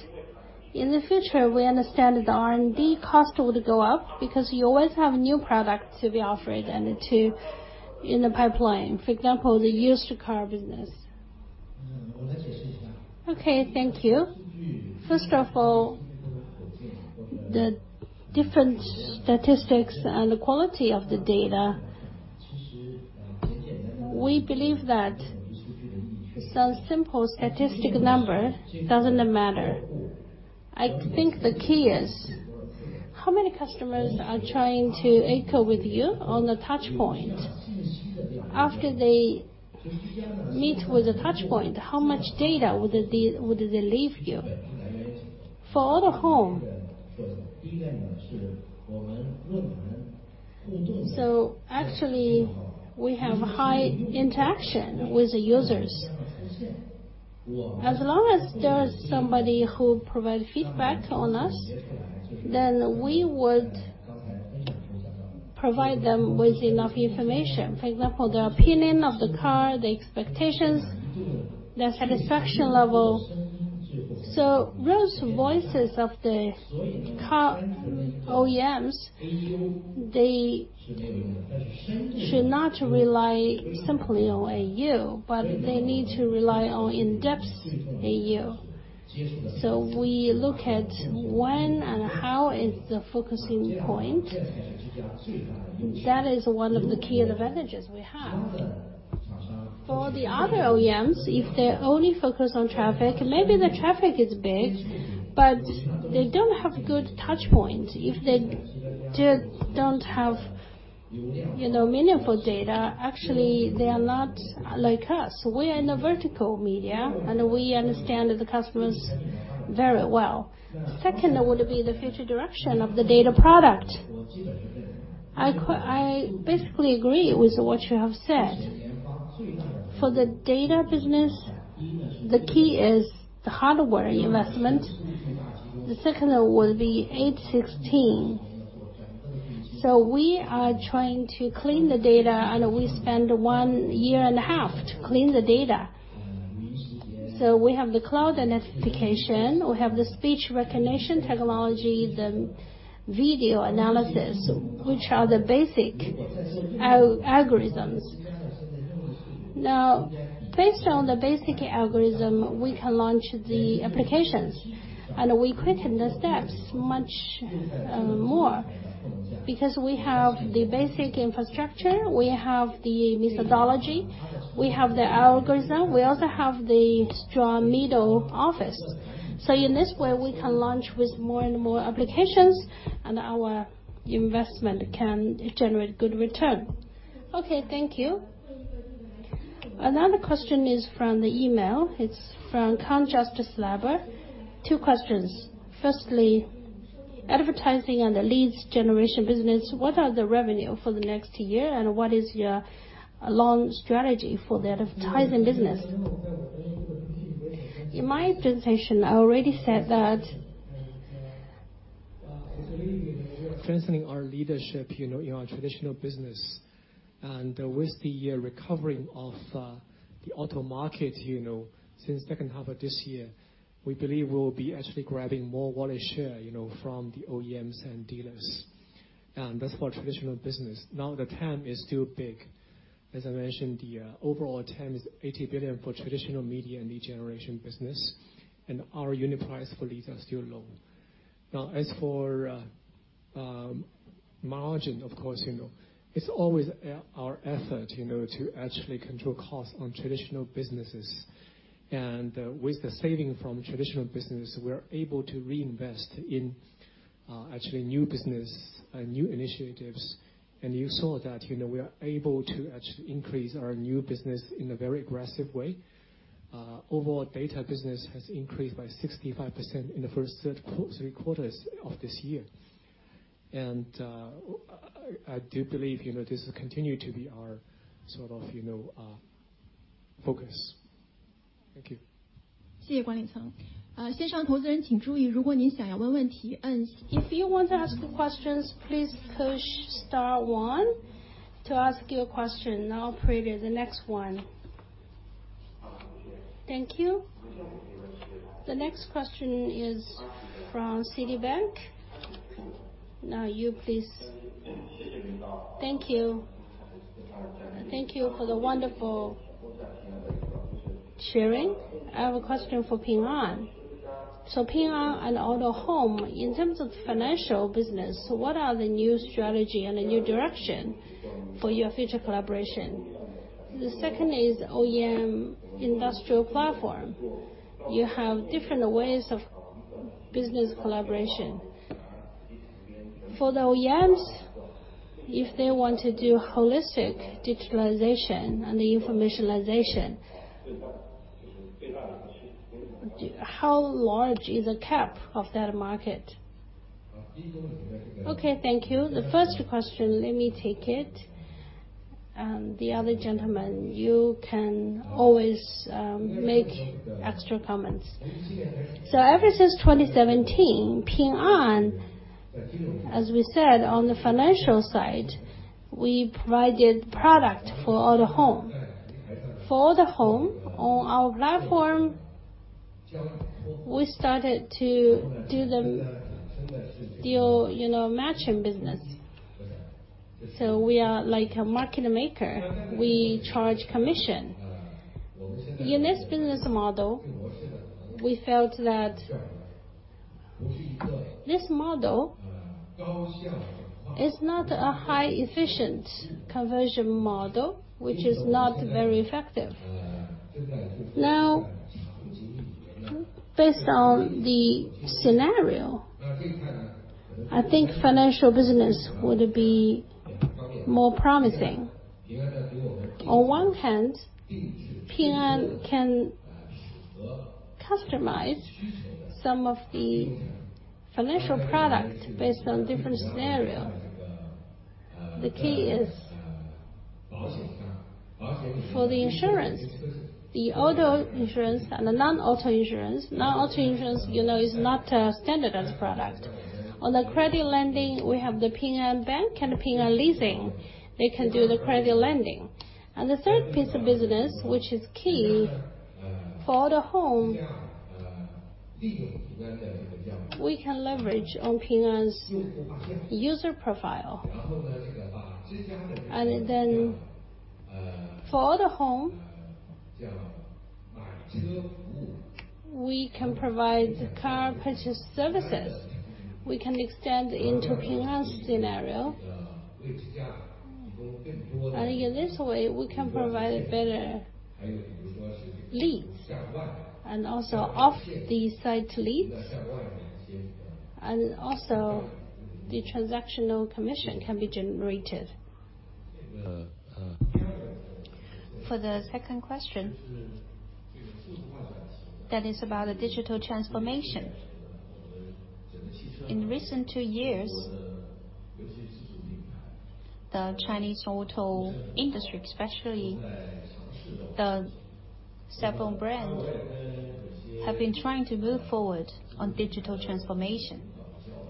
in the future, we understand the R&D cost would go up because you always have a new product to be offered and to in the pipeline. For example, the used car business. Okay. Thank you. First of all, the different statistics and the quality of the data, we believe that some simple statistic number doesn't matter. I think the key is how many customers are trying to echo with you on the touchpoint? After they meet with the touchpoint, how much data would they leave you? For Autohome, so actually, we have high interaction with the users. As long as there is somebody who provides feedback on us, then we would provide them with enough information. For example, the opinion of the car, the expectations, the satisfaction level. So those voices of the car OEMs, they should not rely simply on AU, but they need to rely on in-depth AU. So we look at when and how is the focusing point. That is one of the key advantages we have. For the other OEMs, if they only focus on traffic, maybe the traffic is big, but they don't have good touchpoint. If they don't have meaningful data, actually, they are not like us. We are in a vertical media, and we understand the customers very well. Second, it would be the future direction of the data product. I basically agree with what you have said. For the data business, the key is the hardware investment. The second would be 816. So we are trying to clean the data, and we spend one year and a half to clean the data. So we have the cloud identification. We have the speech recognition technology, the video analysis, which are the basic algorithms. Now, based on the basic algorithm, we can launch the applications, and we quicken the steps much more because we have the basic infrastructure. We have the methodology. We have the algorithm. We also have the strong middle office. So in this way, we can launch with more and more applications, and our investment can generate good return. Okay. Thank you. Another question is from the email. It's from Craig Yan Zeng. Two questions. Firstly, advertising and the leads generation business, what are the revenue for the next year, and what is your long strategy for the advertising business? In my presentation, I already said that. Strengthening our leadership in our traditional business, and with the recovering of the auto market since second half of this year, we believe we will be actually grabbing more wallet share from the OEMs and dealers, and that's for traditional business. Now, the TAM is still big. As I mentioned, the overall TAM is 80 billion for traditional media and lead generation business. And our unit price for leads are still low. Now, as for margin, of course, it's always our effort to actually control costs on traditional businesses, and with the saving from traditional businesses, we are able to reinvest in actually new business and new initiatives. And you saw that we are able to actually increase our new business in a very aggressive way. Overall, data business has increased by 65% in the first three quarters of this year. And I do believe this will continue to be our sort of focus. Thank you. Thank you, Guan Ying Cang. Ladies and gentlemen, the investors, If you would like to ask a question, please press star then one on your telephone keypad.. If you want to ask questions, please push star one to ask your question. Now, the next one. Thank you. The next question is from Citibank. Now, you please. Thank you. Thank you for the wonderful sharing. I have a question for Ping An. So Ping An and Autohome, in terms of financial business, what are the new strategy and the new direction for your future collaboration? The second is OEM industrial platform. You have different ways of business collaboration. For the OEMs, if they want to do holistic digitalization and the informationization, how large is the cap of that market? Okay. Thank you. The first question, let me take it. And the other gentlemen, you can always make extra comments. Ever since 2017, Ping An, as we said, on the financial side, we provided product for Autohome. For Autohome, on our platform, we started to do the deal matching business. We are like a market maker. We charge commission. In this business model, we felt that this model is not a highly efficient conversion model, which is not very effective. Now, based on the scenario, I think financial business would be more promising. On one hand, Ping An can customize some of the financial product based on different scenarios. The key is for the insurance, the auto insurance and the non-auto insurance. Non-auto insurance is not standardized product. On the credit lending, we have the Ping An Bank and Ping An Leasing. They can do the credit lending. The third piece of business, which is key for Autohome, we can leverage on Ping An's user profile. For Autohome, we can provide car purchase services. We can extend into Ping An's scenario. In this way, we can provide better leads and also off-site leads. Also, the transactional commission can be generated. For the second question, that is about digital transformation. In recent two years, the Chinese auto industry, especially the Xiaopeng brand, have been trying to move forward on digital transformation.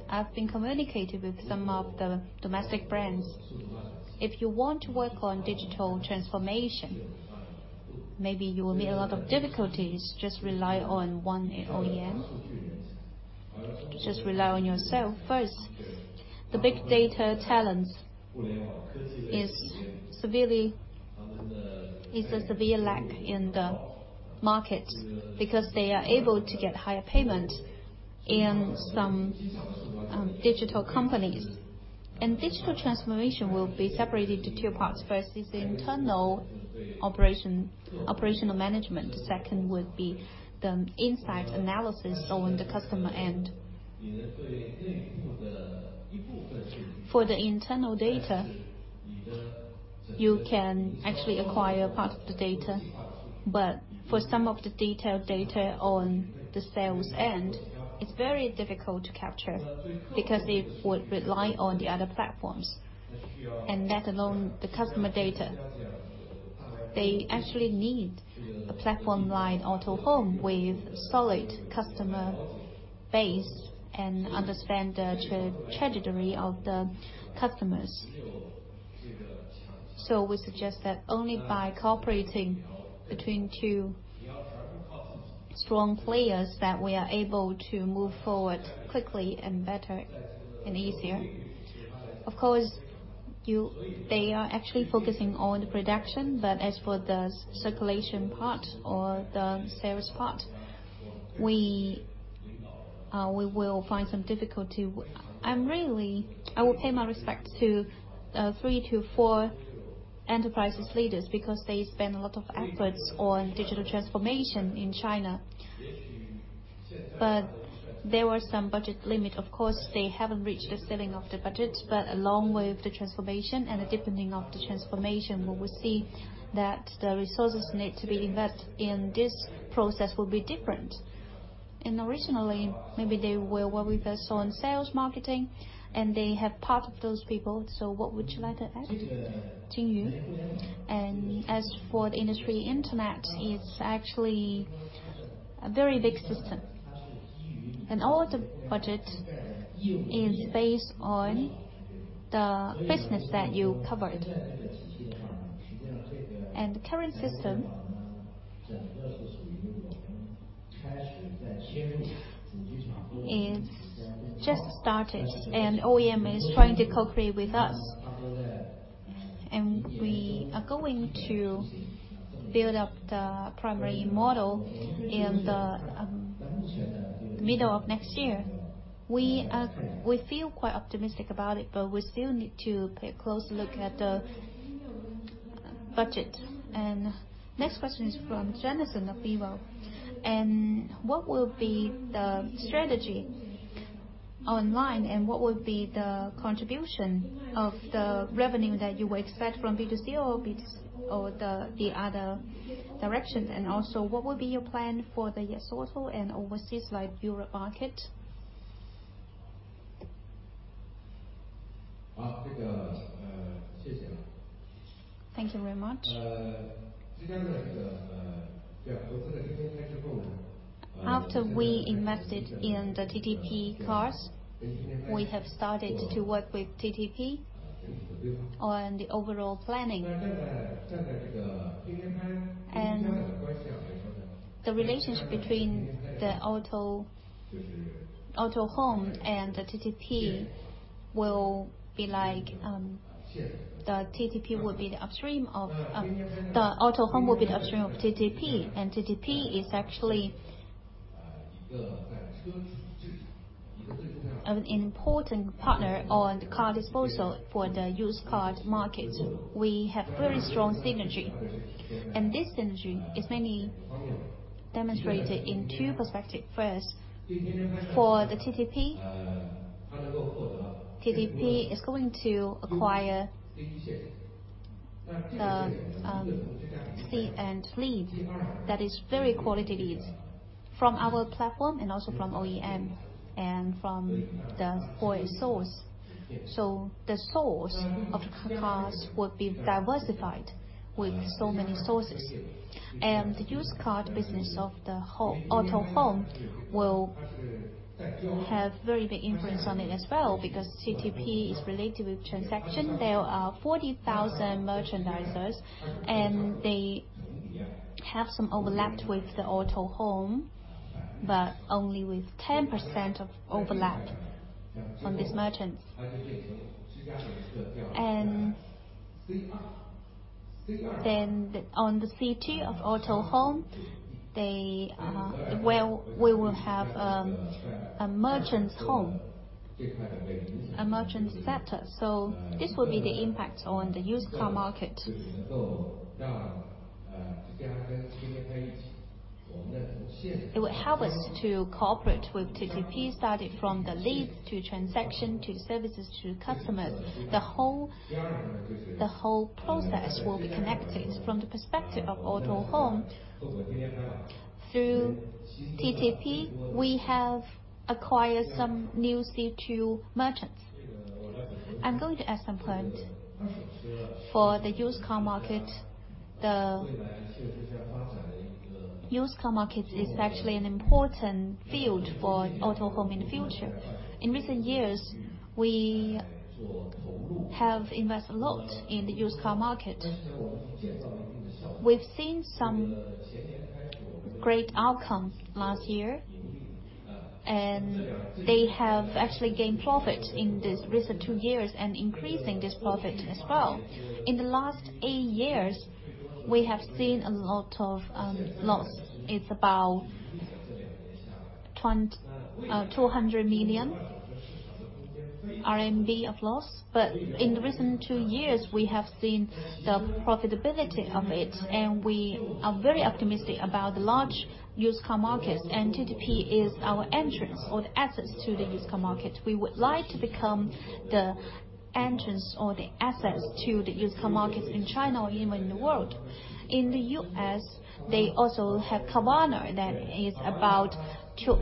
I've been communicating with some of the domestic brands. If you want to work on digital transformation, maybe you will meet a lot of difficulties just relying on one OEM, just relying on yourself first. The big data talents is a severe lack in the market because they are able to get higher payments in some digital companies. Digital transformation will be separated into two parts. First is internal operational management. The second would be the insight analysis on the customer end. For the internal data, you can actually acquire part of the data. But for some of the detailed data on the sales end, it's very difficult to capture because it would rely on the other platforms, and let alone the customer data. They actually need a platform like Autohome with solid customer base and understand the trajectory of the customers. So we suggest that only by cooperating between two strong players that we are able to move forward quickly and better and easier. Of course, they are actually focusing on the production, but as for the circulation part or the sales part, we will find some difficulty. I will pay my respects to three to four enterprise leaders because they spend a lot of efforts on digital transformation in China. But there were some budget limits. Of course, they haven't reached the ceiling of the budget, but along with the transformation and the deepening of the transformation, we will see that the resources need to be invested in this process will be different. And originally, maybe they were what we first saw in sales marketing, and they have part of those people. So what would you like to add? Jingyu Zhang. And as for the industry, internet is actually a very big system. And all the budget is based on the business that you covered. And the current system is just started, and OEM is trying to cooperate with us. And we are going to build up the primary model in the middle of next year. We feel quite optimistic about it, but we still need to pay close attention to the budget. Next question is from Jonathan of BofA. What will be the strategy online, and what will be the contribution of the revenue that you will expect from B2C or the other directions? Also, what will be your plan for the SaaS to OEM and overseas auto market? Thank you very much. After we invested in the TTP Car, we have started to work with TTP on the overall planning. The relationship between Autohome and the TTP will be like the TTP will be the upstream of Autohome, Autohome will be the downstream of TTP, and TTP is actually an important partner on car disposal for the used car market. We have very strong synergy. This synergy is mainly demonstrated in two perspectives. First, for the TTP, TTP is going to acquire C1 leads. That is very quality leads from our platform and also from OEM and from the source. So the source of cars will be diversified with so many sources. The used car business of Autohome will have a very big influence on it as well because TTP is related with transaction. There are 40,000 merchants, and they have some overlap with Autohome, but only with 10% of overlap on this merchant. Then on the C2 of Autohome, we will have a merchant's home, a merchant's sector. This will be the impact on the used car market. It will help us to cooperate with TTP, starting from the leads to transaction to services to customers. The whole process will be connected from the perspective of Autohome through TTP. We have acquired some new C2 merchants. I'm going to ask some point. For the used car market, the used car market is actually an important field for Autohome in the future. In recent years, we have invested a lot in the used car market. We've seen some great outcomes last year, and they have actually gained profit in these recent two years and increasing this profit as well. In the last eight years, we have seen a lot of loss. It's about CNY 200 million of loss. But in the recent two years, we have seen the profitability of it, and we are very optimistic about the large used car markets. And TTP is our entrance or the assets to the used car market. We would like to become the entrance or the assets to the used car market in China or even in the world. In the US, they also have Carvana that is about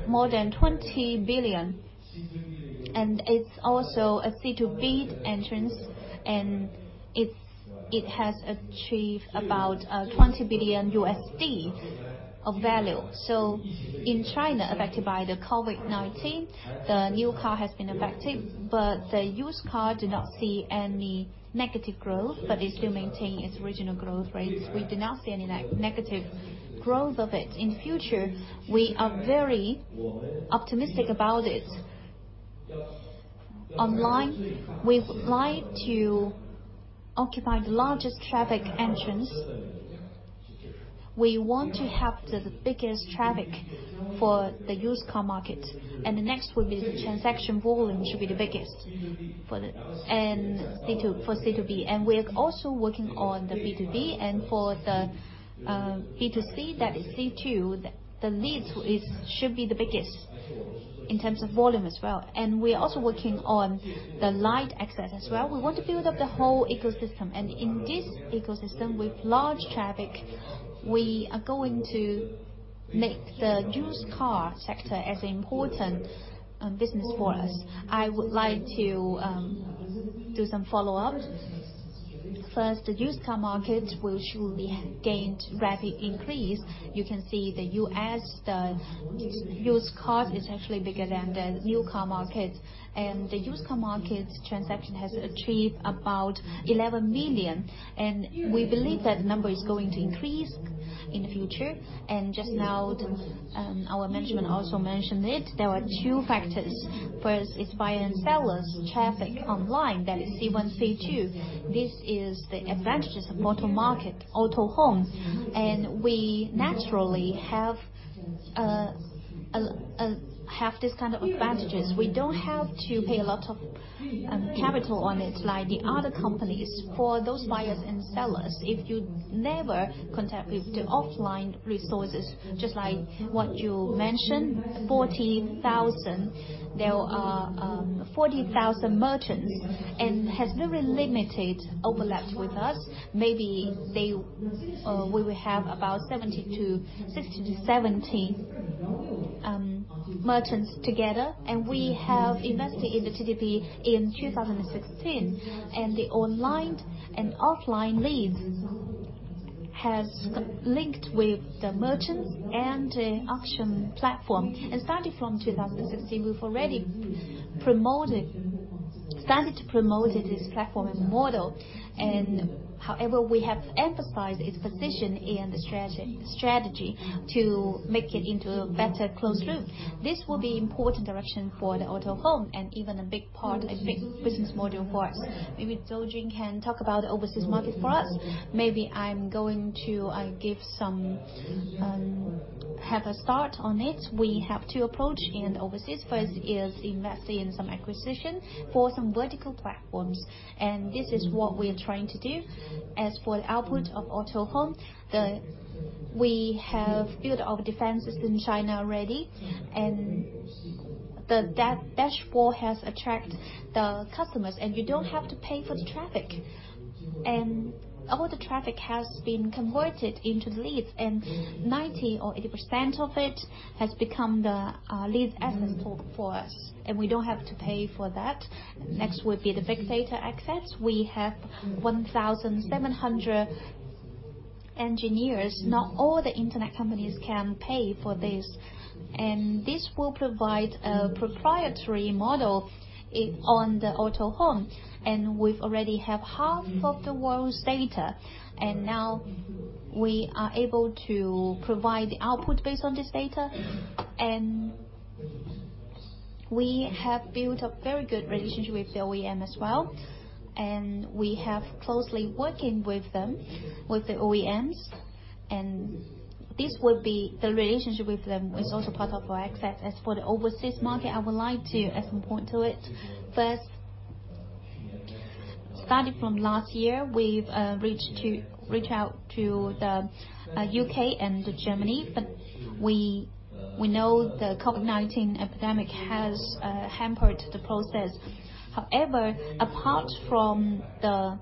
more than $20 billion. And it's also a C2B entrance, and it has achieved about $20 billion of value. So in China, affected by the COVID-19, the new car has been affected, but the used car did not see any negative growth, but it still maintained its original growth rates. We did not see any negative growth of it. In the future, we are very optimistic about it. Online, we would like to occupy the largest traffic entrance. We want to have the biggest traffic for the used car market. And the next will be the transaction volume should be the biggest for C2B. And we're also working on the B2B. And for the B2C, that is C2, the leads should be the biggest in terms of volume as well. We're also working on the asset-light as well. We want to build up the whole ecosystem. In this ecosystem with large traffic, we are going to make the used car sector as an important business for us. I would like to do some follow-up. First, the used car market will surely gain rapid increase. You can see the U.S., the used cars is actually bigger than the new car market. The used car market transaction has achieved about 11 million. We believe that the number is going to increase in the future. Just now, our management also mentioned it. There are two factors. First is buyer and sellers traffic online, that is C1, C2. This is the advantages of Autohome. We naturally have this kind of advantages. We don't have to pay a lot of capital on it like the other companies. For those buyers and sellers, if you never contact with the offline resources, just like what you mentioned, 40,000, there are 40,000 merchants and has very limited overlap with us. Maybe we will have about 60-70 merchants together. And we have invested in the TTP in 2016. And the online and offline leads have linked with the merchants and the auction platform. And starting from 2016, we've already started to promote this platform and model. And however, we have emphasized its position and the strategy to make it into a better closed loop. This will be an important direction for the Autohome and even a big part, a big business model for us. Maybe Jun Zou can talk about the overseas market for us. Maybe I'm going to give a head start on it. We have two approaches in overseas. First is investing in some acquisition for some vertical platforms. And this is what we are trying to do. As for the output of Autohome, we have built our presence in China already. And that data has attracted the customers, and you don't have to pay for the traffic. And all the traffic has been converted into leads, and 90% or 80% of it has become the lead assets for us. And we don't have to pay for that. Next would be the big data access. We have 1,700 engineers. Not all the internet companies can pay for this. And this will provide a proprietary model on the Autohome. And we've already had half of the world's data. And now we are able to provide the output based on this data. And we have built a very good relationship with the OEM as well. And we have closely worked with them, with the OEMs. And this will be the relationship with them is also part of our access. As for the overseas market, I would like to add some point to it. First, starting from last year, we've reached out to the U.K. and Germany. But we know the COVID-19 epidemic has hampered the process. However, apart from the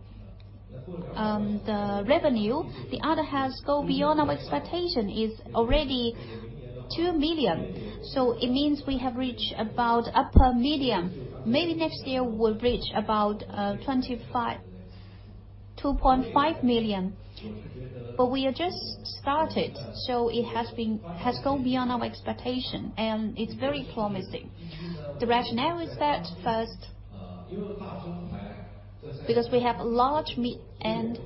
revenue, the other has gone beyond our expectation. It's already two million. So it means we have reached about upper median. Maybe next year we'll reach about 2.5 million. But we have just started. So it has gone beyond our expectation, and it's very promising. The rationale is that first, because we have a large team and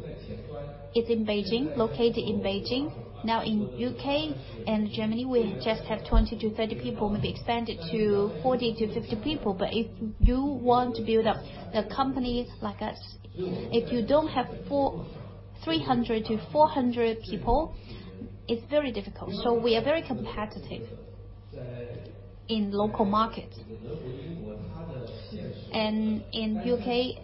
it's located in Beijing. Now in the U.K. and Germany, we just have 20 to 30 people. We have expanded to 40 to 50 people. If you want to build up a company like us, if you do not have 300 to 400 people, it is very difficult. We are very competitive in local markets, and in the U.K.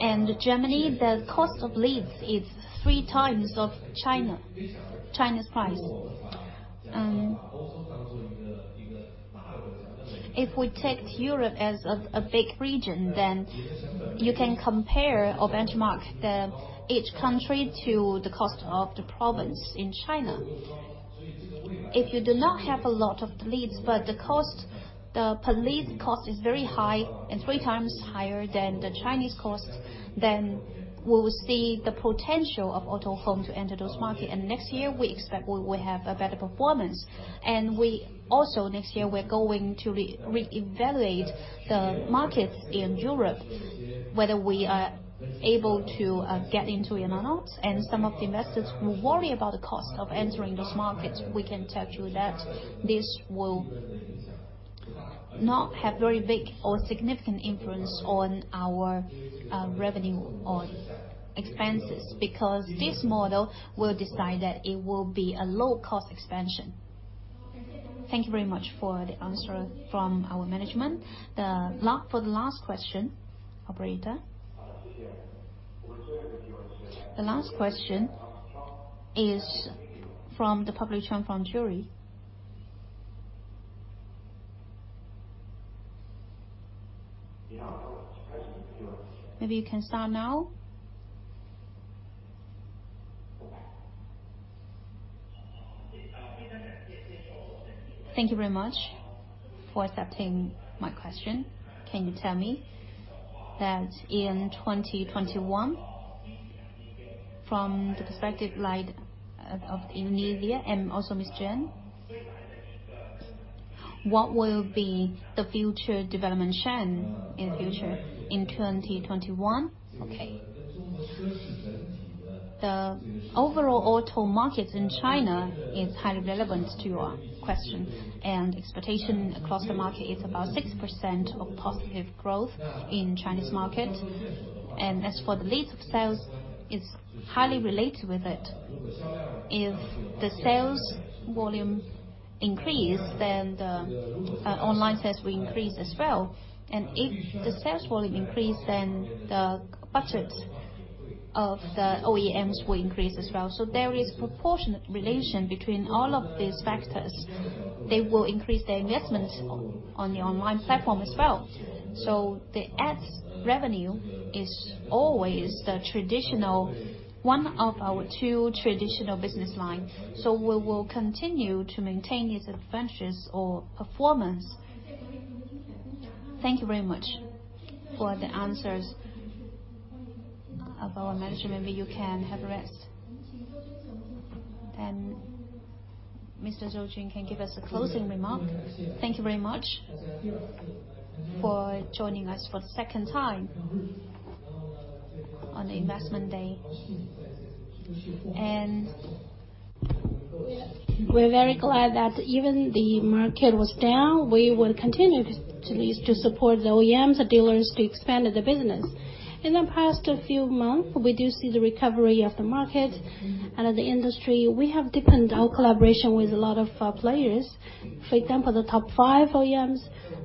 and Germany, the cost of leads is three times of China's price. If we take Europe as a big region, then you can compare or benchmark each country to the cost of the province in China. If you do not have a lot of leads, but the leads cost is very high and three times higher than the Chinese cost, then we will see the potential of Autohome to enter those markets. Next year, we expect we will have a better performance. Also next year, we're going to reevaluate the markets in Europe, whether we are able to get into it or not. Some of the investors will worry about the cost of entering those markets. We can tell you that this will not have very big or significant influence on our revenue or expenses because this model will decide that it will be a low-cost expansion. Thank you very much for the answer from our management. For the last question, operator, the last question is from the public channel from Jefferies. Maybe you can start now. Thank you very much for accepting my question. Can you tell me that in 2021, from the perspective of Indonesia and also Malaysia, what will be the future market share in the future in 2021? Okay. The overall auto market in China is highly relevant to your question. Expectation across the market is about 6% positive growth in Chinese market. As for the leads and sales, it's highly related with it. If the sales volume increases, then the online sales will increase as well. If the sales volume increases, then the budgets of the OEMs will increase as well. There is a proportionate relation between all of these factors. They will increase their investments on the online platform as well. The ads revenue is always the traditional one of our two traditional business lines. We will continue to maintain these advantages or performance. Thank you very much for the answers of our management. Maybe you can have a rest. Mr. Jun Zhou can give us a closing remark. Thank you very much for joining us for the second time on the Investor Day. We're very glad that even the market was down, we will continue to support the OEMs, the dealers to expand the business. In the past few months, we do see the recovery of the market and of the industry. We have deepened our collaboration with a lot of players. For example, the top five OEMs,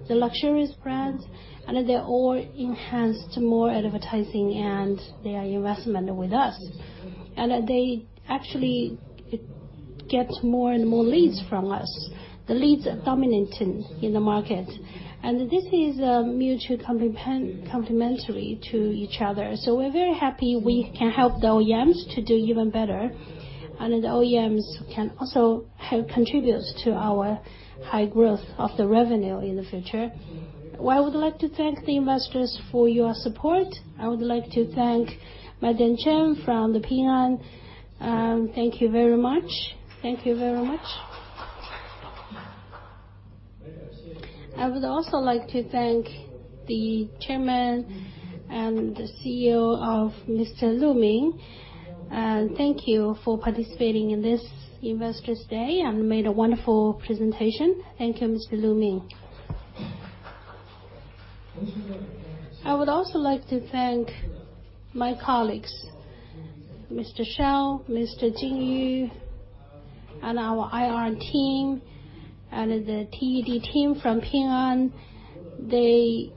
the luxury brands, and they all enhanced more advertising and their investment with us. They actually get more and more leads from us. The leads are dominating in the market. This is mutually complementary to each other. We're very happy we can help the OEMs to do even better. The OEMs can also contribute to our high growth of the revenue in the future. I would like to thank the investors for your support. I would like to thank Madam Chen from Ping An. Thank you very much. Thank you very much. I would also like to thank the Chairman and the CEO of Mr. Min Lu. Thank you for participating in this investors' day and made a wonderful presentation. Thank you, Mr. Min Lu. I would also like to thank my colleagues, Mr. Shao, Mr. Jingyu, and our IR team, and the TED team from Ping An. They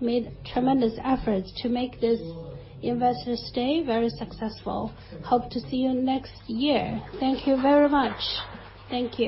made tremendous efforts to make this investor day very successful. Hope to see you next year. Thank you very much. Thank you.